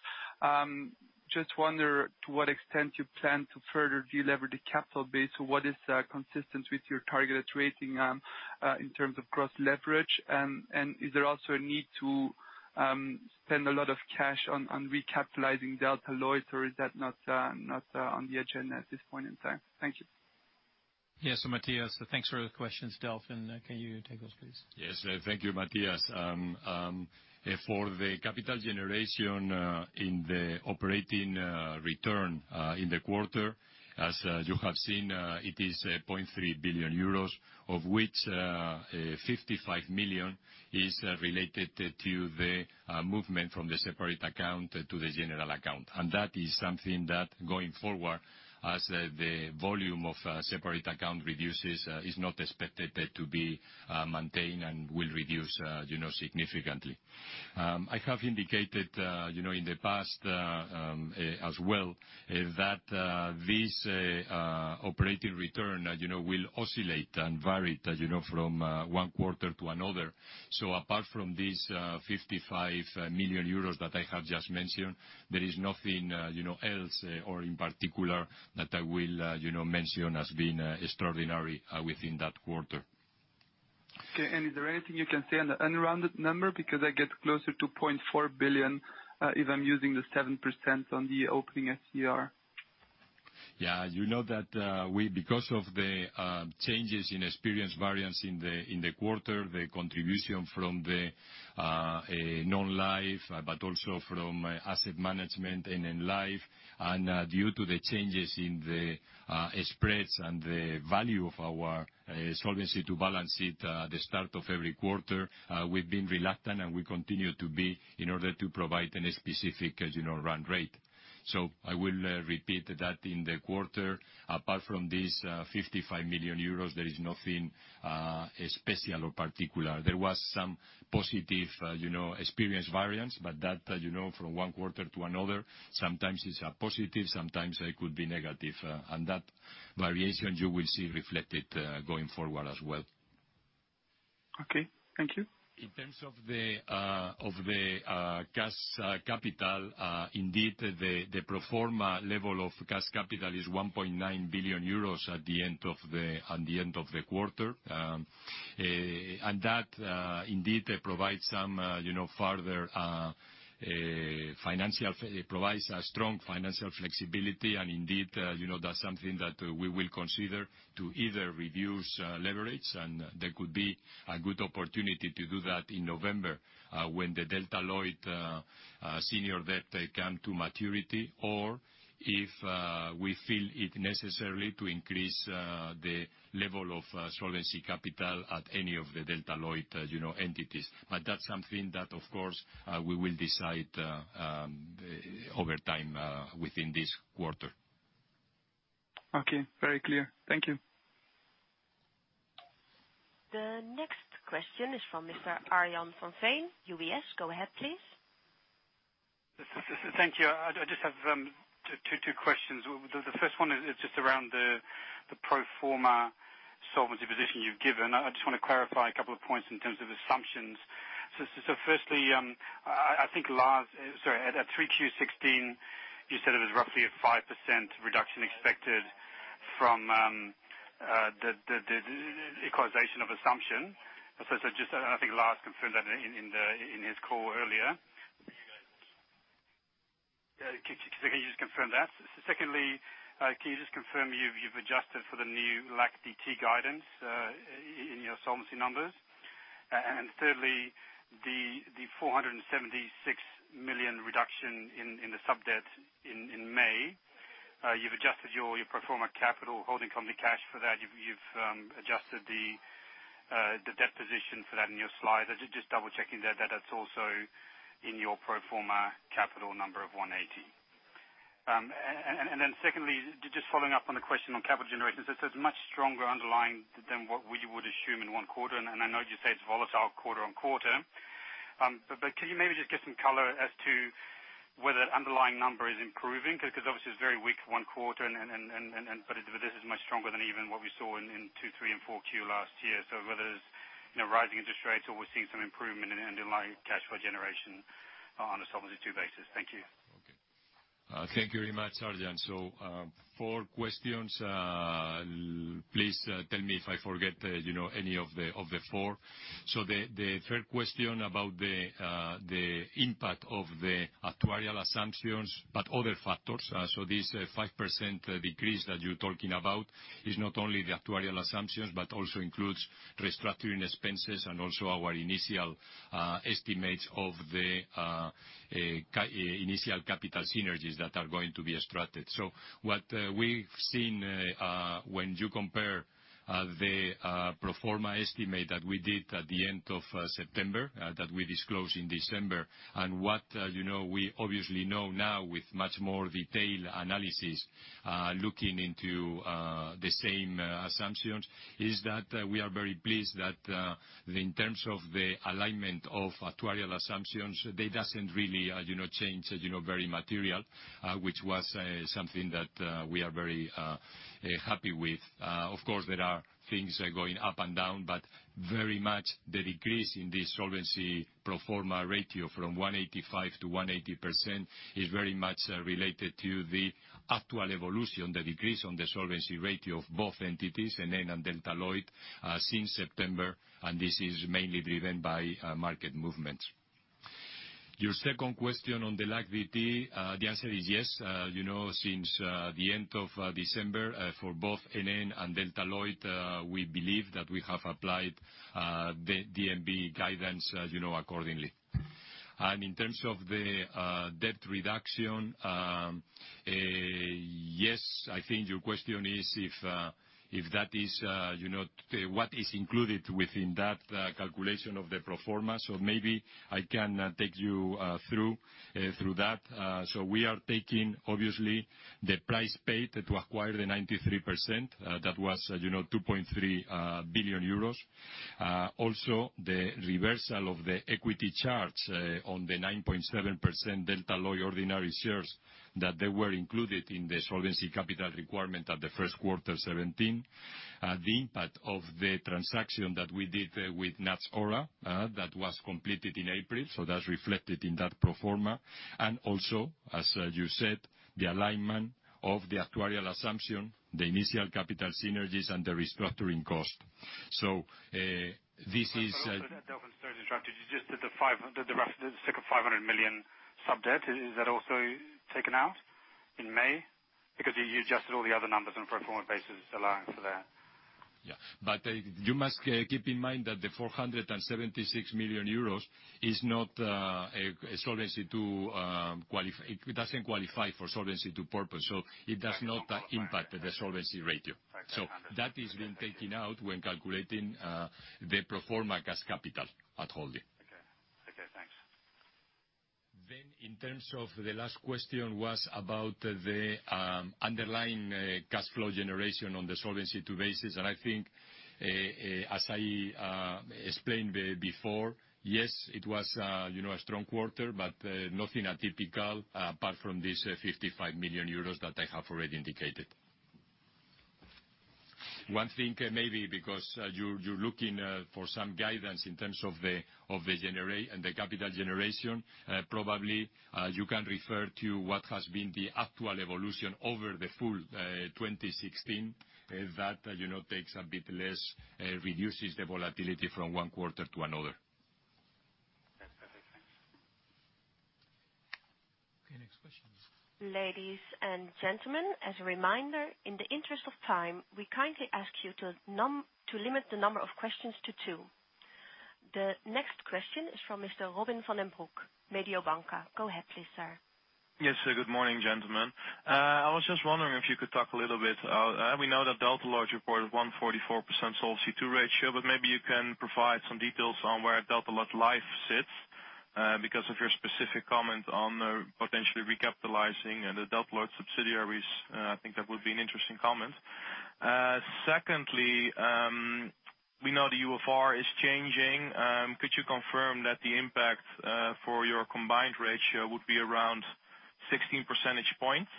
I wonder to what extent you plan to further delever the capital base or what is consistent with your targeted rating in terms of gross leverage. Is there also a need to spend a lot of cash on recapitalizing Delta Lloyd or is that not on the agenda at this point in time? Thank you. Yes. Matthias, thanks for the questions. Delfin, can you take those, please? Yes. Thank you, Matthias. For the capital generation in the operating return in the quarter, as you have seen, it is 0.3 billion euros, of which 55 million is related to the movement from the separate account to the general account. That is something that, going forward, as the volume of separate account reduces, is not expected to be maintained and will reduce significantly. I have indicated in the past as well that this operating return will oscillate and vary from one quarter to another. Apart from this 55 million euros that I have just mentioned, there is nothing else or in particular that I will mention as being extraordinary within that quarter. Okay. Is there anything you can say on the unrounded number? Because I get closer to 0.4 billion if I'm using the 7% on the opening SCR. You know that because of the changes in experience variance in the quarter, the contribution from the Non-life, but also from asset management, NN Life, and due to the changes in the spreads and the value of our solvency to balance it at the start of every quarter, we've been reluctant and we continue to be in order to provide any specific run rate. I will repeat that in the quarter, apart from this 55 million euros, there is nothing special or particular. There was some positive experience variance, but that from one quarter to another, sometimes it's a positive, sometimes it could be negative. That variation you will see reflected going forward as well. Okay, thank you. In terms of the cash capital, indeed, the pro forma level of cash capital is 1.9 billion euros at the end of the quarter. That, indeed, provides a strong financial flexibility and indeed, that's something that we will consider to either reduce leverage, and there could be a good opportunity to do that in November when the Delta Lloyd senior debt come to maturity, or if we feel it necessary to increase the level of solvency capital at any of the Delta Lloyd entities. That's something that of course, we will decide over time within this quarter. Okay. Very clear. Thank you. The next question is from Mr. Arjan van Veen, UBS. Go ahead, please. Thank you. I just have two questions. The first one is just around the pro forma solvency position you've given. I just want to clarify a couple of points in terms of assumptions. Firstly, at 3Q16, you said it was roughly a 5% reduction expected from the equalization of assumption. I think Lard confirmed that in his call earlier. Can you just confirm that? Secondly, can you just confirm you've adjusted for the new LAC DT guidance in your solvency numbers? Thirdly, the 476 million reduction in the subdebt in May, you've adjusted your pro forma capital holding company cash for that. You've adjusted the debt position for that in your slide. Just double checking that's also in your pro forma capital number of 180. Secondly, just following up on the question on capital generation, it says much stronger underlying than what we would assume in one quarter. I know you say it's volatile quarter on quarter. Can you maybe just give some color as to whether underlying number is improving? Because obviously it's very weak one quarter but this is much stronger than even what we saw in two, three and 4Q last year. Whether it's rising interest rates or we're seeing some improvement in underlying cash flow generation on a Solvency II basis. Thank you. Thank you very much, Arjan. Four questions. Please tell me if I forget any of the four. The third question about the impact of the actuarial assumptions, but other factors. This 5% decrease that you're talking about is not only the actuarial assumptions, but also includes restructuring expenses and also our initial estimates of the initial capital synergies that are going to be structured. What we've seen, when you compare the pro forma estimate that we did at the end of September, that we disclose in December, and what we obviously know now with much more detailed analysis, looking into the same assumptions, is that we are very pleased that in terms of the alignment of actuarial assumptions, they doesn't really change very material, which was something that we are very happy with. Of course, there are things going up and down, but very much the decrease in the solvency pro forma ratio from 185 to 180% is very much related to the actual evolution, the decrease on the solvency ratio of both entities, NN and Delta Lloyd, since September, and this is mainly driven by market movements. Your second question on the LAC DT, the answer is yes. Since the end of December, for both NN and Delta Lloyd, we believe that we have applied the DNB guidance accordingly. In terms of the debt reduction, yes, I think your question is what is included within that calculation of the pro forma. Maybe I can take you through that. We are taking obviously the price paid to acquire the 93%, that was 2.3 billion euros. Also the reversal of the equity charge on the 9.7% Delta Lloyd ordinary shares that they were included in the solvency capital requirement at the first quarter 2017. The impact of the transaction that we did with Fonds NutsOhra, that was completed in April, so that's reflected in that pro forma. Also, as you said, the alignment of the actuarial assumption, the initial capital synergies, and the restructuring cost. This is. The Delta Lloyd restructuring, the second 500 million subdebt, is that also taken out in May? Because you adjusted all the other numbers on a pro forma basis allowing for that. Yeah. You must keep in mind that the 476 million euros doesn't qualify for Solvency II purpose. It does not impact the solvency ratio. I understand. That has been taken out when calculating the pro forma cash capital at holding. Okay. Thanks. In terms of the last question was about the underlying cash flow generation on the Solvency II basis. I think, as I explained before, yes, it was a strong quarter, but nothing atypical apart from this 55 million euros that I have already indicated. One thing, maybe because you're looking for some guidance in terms of the capital generation, probably you can refer to what has been the actual evolution over the full 2016. That takes a bit less, reduces the volatility from one quarter to another. That's perfect. Thanks. Okay, next question. Ladies and gentlemen, as a reminder, in the interest of time, we kindly ask you to limit the number of questions to two. The next question is from Mr. Robin van den Broek, Mediobanca. Go ahead, please, sir. Yes. Good morning, gentlemen. I was just wondering if you could talk a little bit. We know that Delta Lloyd reported 144% Solvency II ratio, but maybe you can provide some details on where Delta Lloyd Life sits. Because of your specific comment on potentially recapitalizing the Delta Lloyd subsidiaries, I think that would be an interesting comment. Secondly, we know the UFR is changing. Could you confirm that the impact for your combined ratio would be around 16 percentage points?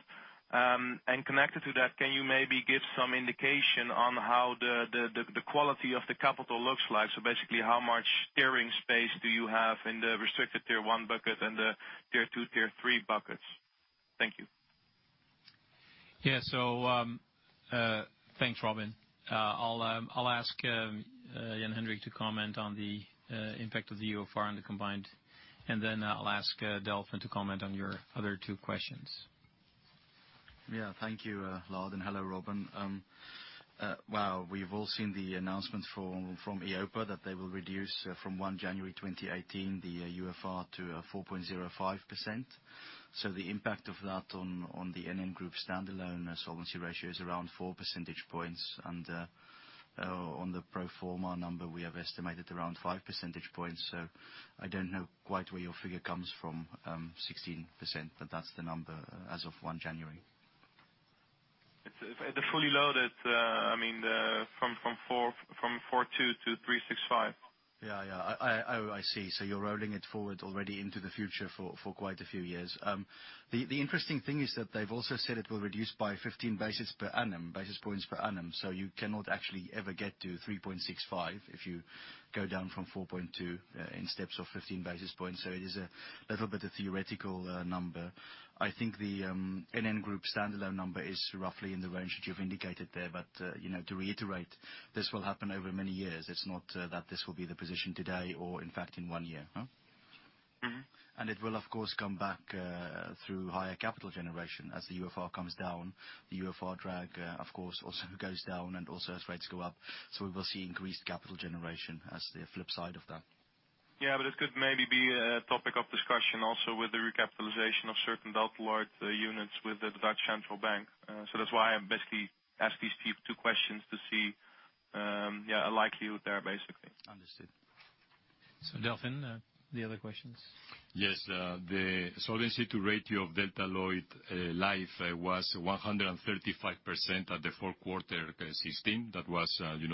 Connected to that, can you maybe give some indication on how the quality of the capital looks like? Basically, how much tiering space do you have in the restricted Tier 1 bucket and the Tier 2, Tier 3 buckets? Thank you. Yeah. Thanks, Robin. I'll ask Jan-Hendrik to comment on the impact of the UFR on the combined, then I'll ask Delfin to comment on your other two questions. Yeah. Thank you, Lard. Hello, Robin. Well, we've all seen the announcement from EIOPA that they will reduce from January 1, 2018, the UFR to 4.05%. The impact of that on the NN Group standalone solvency ratio is around four percentage points. On the pro forma number, we have estimated around five percentage points. I don't know quite where your figure comes from, 16%, but that's the number as of January 1. At the fully loaded, from 4.2 to 3.65. I see. You're rolling it forward already into the future for quite a few years. The interesting thing is that they've also said it will reduce by 15 basis points per annum. You cannot actually ever get to 3.65 if you go down from 4.2 in steps of 15 basis points. It is a little bit of theoretical number. I think the NN Group standalone number is roughly in the range that you've indicated there. To reiterate, this will happen over many years. It's not that this will be the position today or in fact in one year. It will, of course, come back through higher capital generation. As the UFR comes down, the UFR drag, of course, also goes down and also as rates go up. We will see increased capital generation as the flip side of that. It could maybe be a topic of discussion also with the recapitalization of certain Delta Lloyd units with De Nederlandsche Bank. That's why I basically asked these two questions to see a likelihood there, basically. Understood. Delfin, the other questions. The Solvency II ratio of Delta Lloyd Life was 135% at the fourth quarter 2016. That was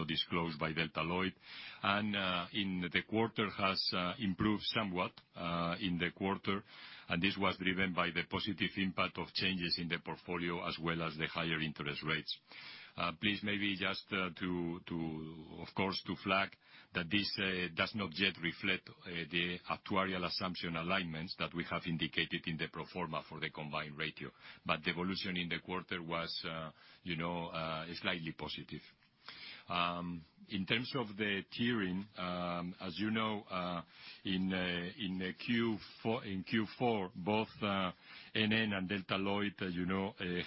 disclosed by Delta Lloyd. In the quarter has improved somewhat in the quarter. This was driven by the positive impact of changes in the portfolio as well as the higher interest rates. Please maybe just to, of course, to flag that this does not yet reflect the actuarial assumption alignments that we have indicated in the pro forma for the combined ratio. The evolution in the quarter was slightly positive. In terms of the tiering, as you know, in Q4, both NN and Delta Lloyd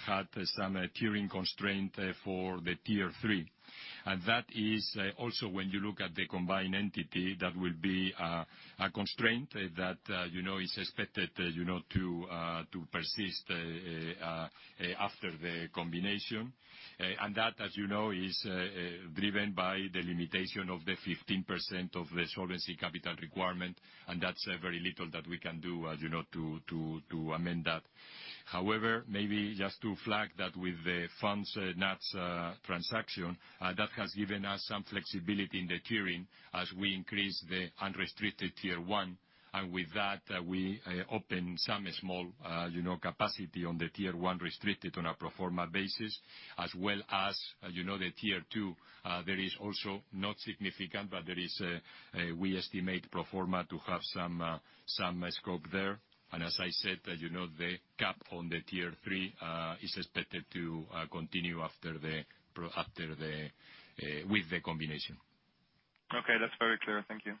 had some tiering constraint for the Tier 3. That is also when you look at the combined entity, that will be a constraint that is expected to persist after the combination. That, as you know, is driven by the limitation of the 15% of the solvency capital requirement, and that's very little that we can do to amend that. However, maybe just to flag that with the Fonds NutsOhra transaction, that has given us some flexibility in the tiering as we increase the unrestricted Tier 1. With that, we open some small capacity on the Tier 1 restricted on a pro forma basis, as well as the Tier 2. There is also not significant, but we estimate pro forma to have some scope there. As I said, the cap on the Tier 3 is expected to continue with the combination. Okay. That's very clear. Thank you.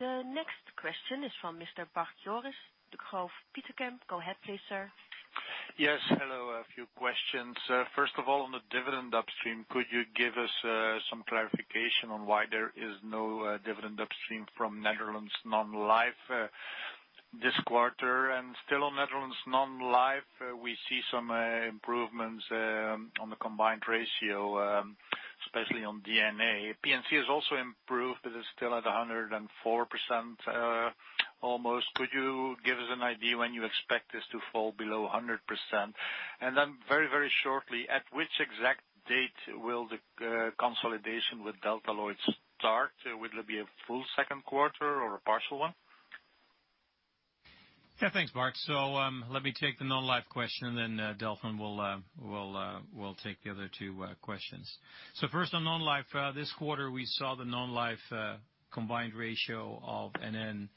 The next question is from Mr. Bart-Joris de Groot-Pieck. Go ahead, please, sir. Yes. Hello. A few questions. First of all, on the dividend upstream, could you give us some clarification on why there is no dividend upstream from Netherlands Non-life this quarter? Still on Netherlands Non-life, we see some improvements on the combined ratio, especially on [D&A]. P&C has also improved, but is still at 104% almost. Could you give us an idea when you expect this to fall below 100%? Then very shortly, at which exact date will the consolidation with Delta Lloyd start? Will it be a full second quarter or a partial one? Thanks, Bart. Let me take the non-life question, and then Delfin will take the other two questions. First on non-life, this quarter, we saw the non-life combined ratio of NN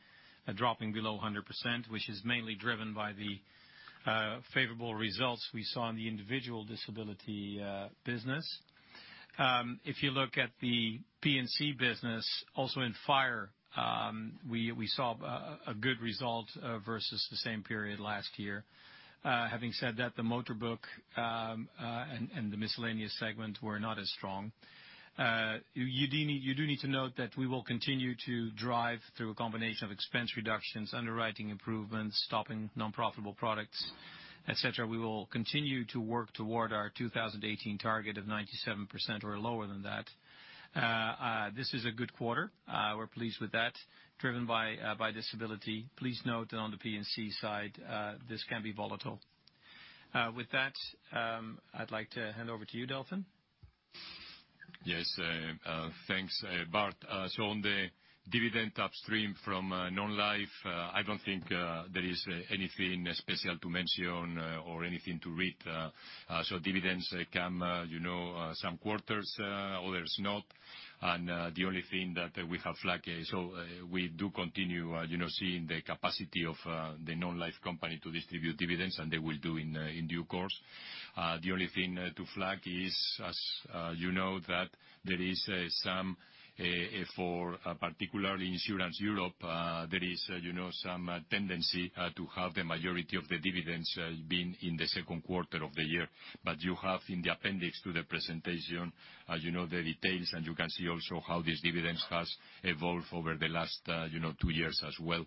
dropping below 100%, which is mainly driven by the favorable results we saw in the individual disability business. If you look at the P&C business, also in fire, we saw a good result versus the same period last year. Having said that, the motor book and the miscellaneous segment were not as strong. You do need to note that we will continue to drive through a combination of expense reductions, underwriting improvements, stopping non-profitable products, et cetera. We will continue to work toward our 2018 target of 97% or lower than that. This is a good quarter. We're pleased with that, driven by disability. Please note that on the P&C side, this can be volatile. With that, I'd like to hand over to you, Delfin. Thanks, Bart. On the dividend upstream from non-life, I don't think there is anything special to mention or anything to read. Dividends come some quarters, others not. The only thing that we have flagged, we do continue seeing the capacity of the non-life company to distribute dividends, and they will do in due course. The only thing to flag is, as you know, that there is some, for particularly Insurance Europe, there is some tendency to have the majority of the dividends being in the second quarter of the year. But you have in the appendix to the presentation, you know the details, and you can see also how these dividends have evolved over the last two years as well.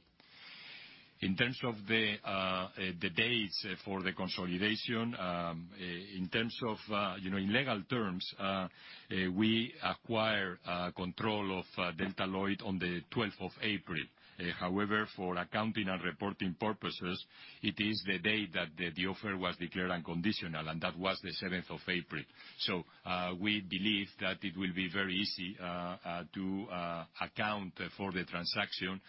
In terms of the dates for the consolidation. In legal terms, we acquire control of Delta Lloyd on the 12th of April. However, for accounting and reporting purposes, it is the day that the offer was declared unconditional, and that was the 7th of April. We believe that it will be very easy to account for the transaction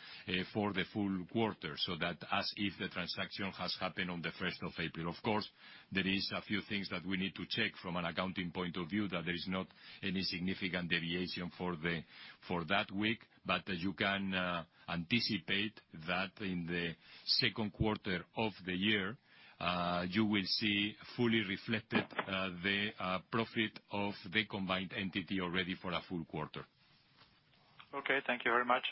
for the full quarter, so that as if the transaction has happened on the 1st of April. Of course, there is a few things that we need to check from an accounting point of view, that there is not any significant deviation for that week. As you can anticipate that in the second quarter of the year, you will see fully reflected the profit of the combined entity already for a full quarter. Okay, thank you very much.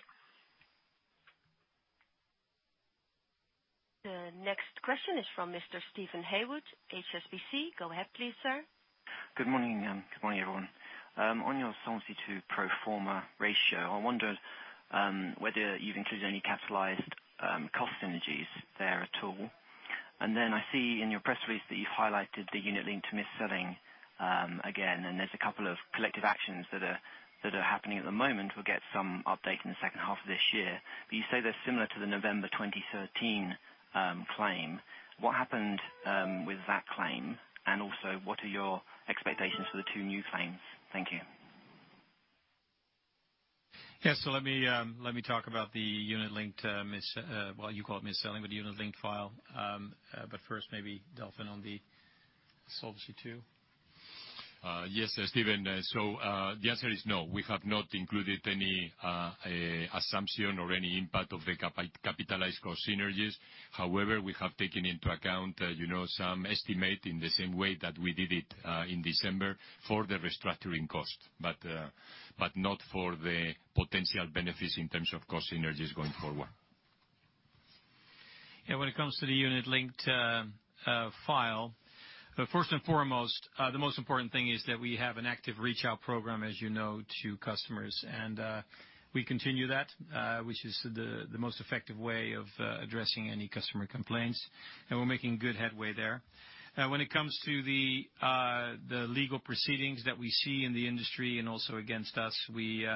The next question is from Mr. Steven Haywood, HSBC. Go ahead please, sir. Good morning. Good morning, everyone. On your Solvency II pro forma ratio, I wondered whether you've included any capitalized cost synergies there at all. Then I see in your press release that you've highlighted the unit-linked mis-selling again, there's a couple of collective actions that are happening at the moment. We'll get some update in the second half of this year. You say they're similar to the November 2013 claim. What happened with that claim? Also, what are your expectations for the two new claims? Thank you. Let me talk about the unit-linked, well you call it mis-selling, but unit-linked file. First, maybe Delfin on the Solvency II. Yes, Steven. The answer is no. We have not included any assumption or any impact of the capitalized cost synergies. However, we have taken into account some estimate in the same way that we did it in December for the restructuring cost. Not for the potential benefits in terms of cost synergies going forward. When it comes to the unit-linked file, first and foremost, the most important thing is that we have an active reach-out program, as you know, to customers. We continue that, which is the most effective way of addressing any customer complaints, and we're making good headway there. When it comes to the legal proceedings that we see in the industry and also against us, we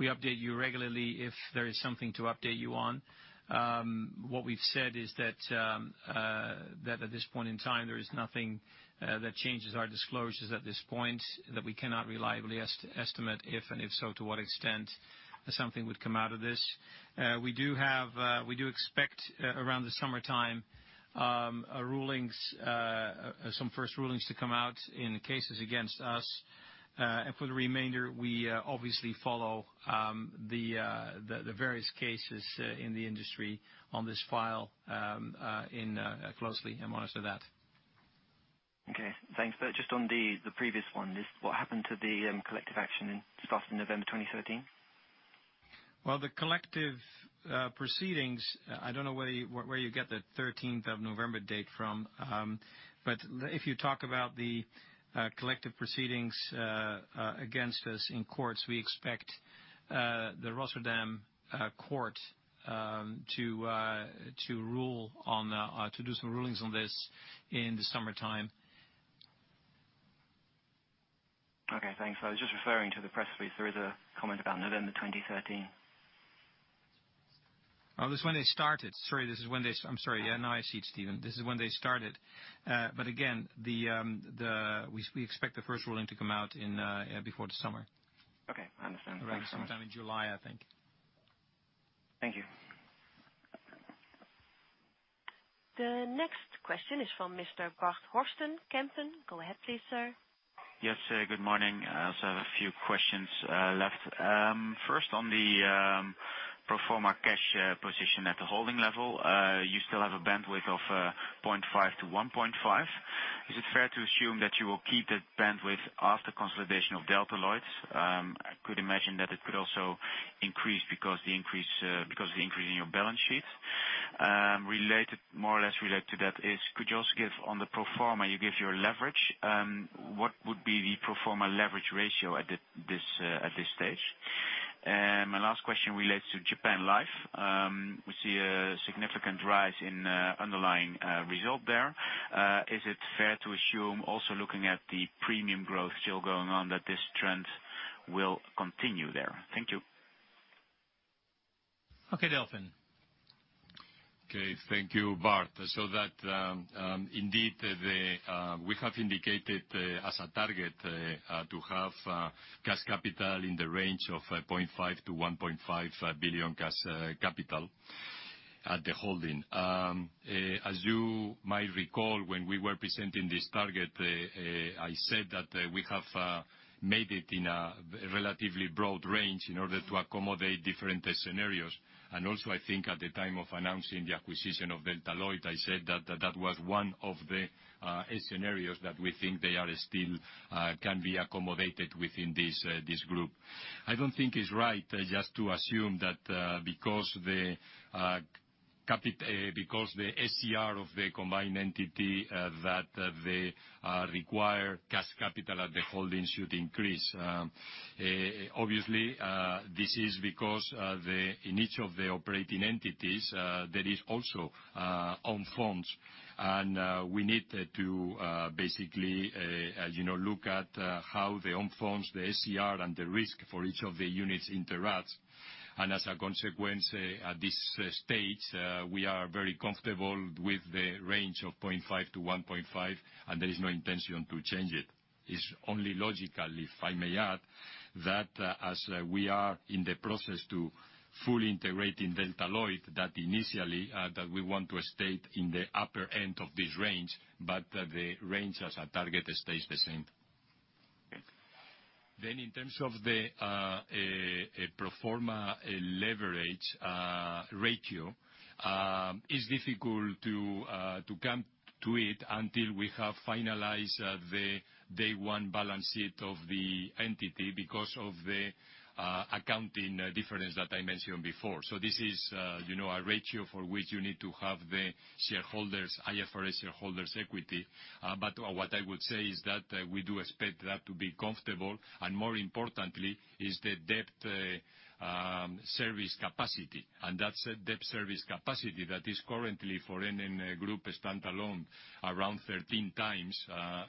update you regularly if there is something to update you on. What we've said is that at this point in time, there is nothing that changes our disclosures at this point, that we cannot reliably estimate if, and if so, to what extent something would come out of this. We do expect around the summertime, some first rulings to come out in cases against us. For the remainder, we obviously follow the various cases in the industry on this file closely and monitor that. Okay, thanks. Just on the previous one, what happened to the collective action that started in November 2013? Well, the collective proceedings, I don't know where you get the 13th of November date from. If you talk about the collective proceedings against us in courts, we expect the Rotterdam court to do some rulings on this in the summertime. Okay, thanks. I was just referring to the press release. There is a comment about November 2013. That's when they started. Sorry. I'm sorry. Now I see it, Steven. This is when they started. Again, we expect the first ruling to come out before the summer. Okay, I understand. Thank you so much. Sometime in July, I think. Thank you. The next question is from Mr. Bart Horsten, Kempen. Go ahead please, sir. Yes, good morning. I also have a few questions left. First, on the pro forma cash position at the holding level. You still have a bandwidth of 0.5-1.5. Is it fair to assume that you will keep that bandwidth after consolidation of Delta Lloyd? I could imagine that it could also increase because of the increase in your balance sheet. More or less related to that is, on the pro forma, you give your leverage. What would be the pro forma leverage ratio at this stage? My last question relates to Japan Life. We see a significant rise in underlying result there. Is it fair to assume, also looking at the premium growth still going on, that this trend will continue there? Thank you. Okay, Delfin. Okay. Thank you, Bart. Indeed, we have indicated as a target to have cash capital in the range of 0.5 billion to 1.5 billion cash capital at the holding. As you might recall, when we were presenting this target, I said that we have made it in a relatively broad range in order to accommodate different scenarios. Also, I think at the time of announcing the acquisition of Delta Lloyd, I said that that was one of the scenarios that we think still can be accommodated within this group. I don't think it's right just to assume that because the SCR of the combined entity, that the required cash capital at the holding should increase. Obviously, this is because in each of the operating entities, there is also own funds. We need to basically look at how the own funds, the SCR, and the risk for each of the units interacts. As a consequence, at this stage, we are very comfortable with the range of 0.5 to 1.5, and there is no intention to change it. It's only logical, if I may add, that as we are in the process to fully integrating Delta Lloyd, that initially, that we want to stay in the upper end of this range, but the range as a target stays the same. Okay. In terms of the pro forma leverage ratio, it's difficult to come to it until we have finalized the day one balance sheet of the entity because of the accounting difference that I mentioned before. This is a ratio for which you need to have the IFRS shareholders' equity. What I would say is that we do expect that to be comfortable, and more importantly is the debt service capacity. That debt service capacity that is currently for NN Group standalone around 13 times,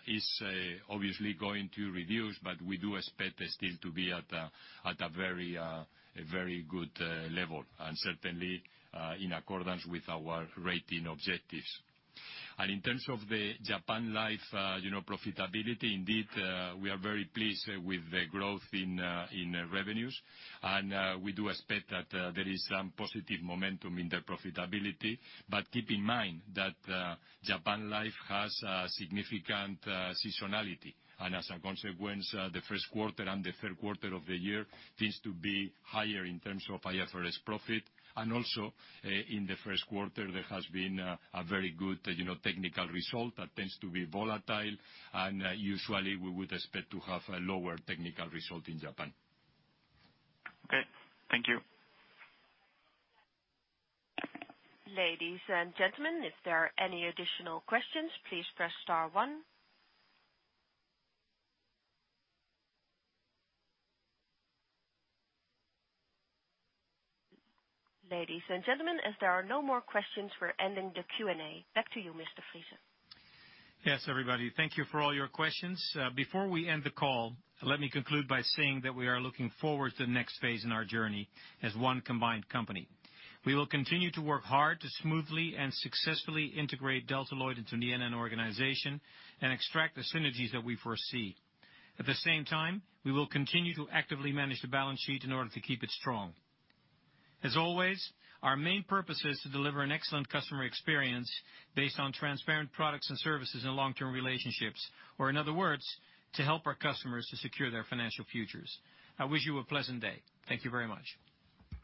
is obviously going to reduce, but we do expect it still to be at a very good level, and certainly, in accordance with our rating objectives. In terms of the Japan Life profitability, indeed, we are very pleased with the growth in revenues. We do expect that there is some positive momentum in the profitability. Keep in mind that Japan Life has a significant seasonality. As a consequence, the first quarter and the third quarter of the year tends to be higher in terms of IFRS profit. Also, in the first quarter, there has been a very good technical result that tends to be volatile. Usually, we would expect to have a lower technical result in Japan. Okay. Thank you. Ladies and gentlemen, if there are any additional questions, please press star one. Ladies and gentlemen, as there are no more questions, we're ending the Q&A. Back to you, Mr. Friese. Yes, everybody. Thank you for all your questions. Before we end the call, let me conclude by saying that we are looking forward to the next phase in our journey as one combined company. We will continue to work hard to smoothly and successfully integrate Delta Lloyd into the NN organization and extract the synergies that we foresee. At the same time, we will continue to actively manage the balance sheet in order to keep it strong. As always, our main purpose is to deliver an excellent customer experience based on transparent products and services and long-term relationships, or in other words, to help our customers to secure their financial futures. I wish you a pleasant day. Thank you very much.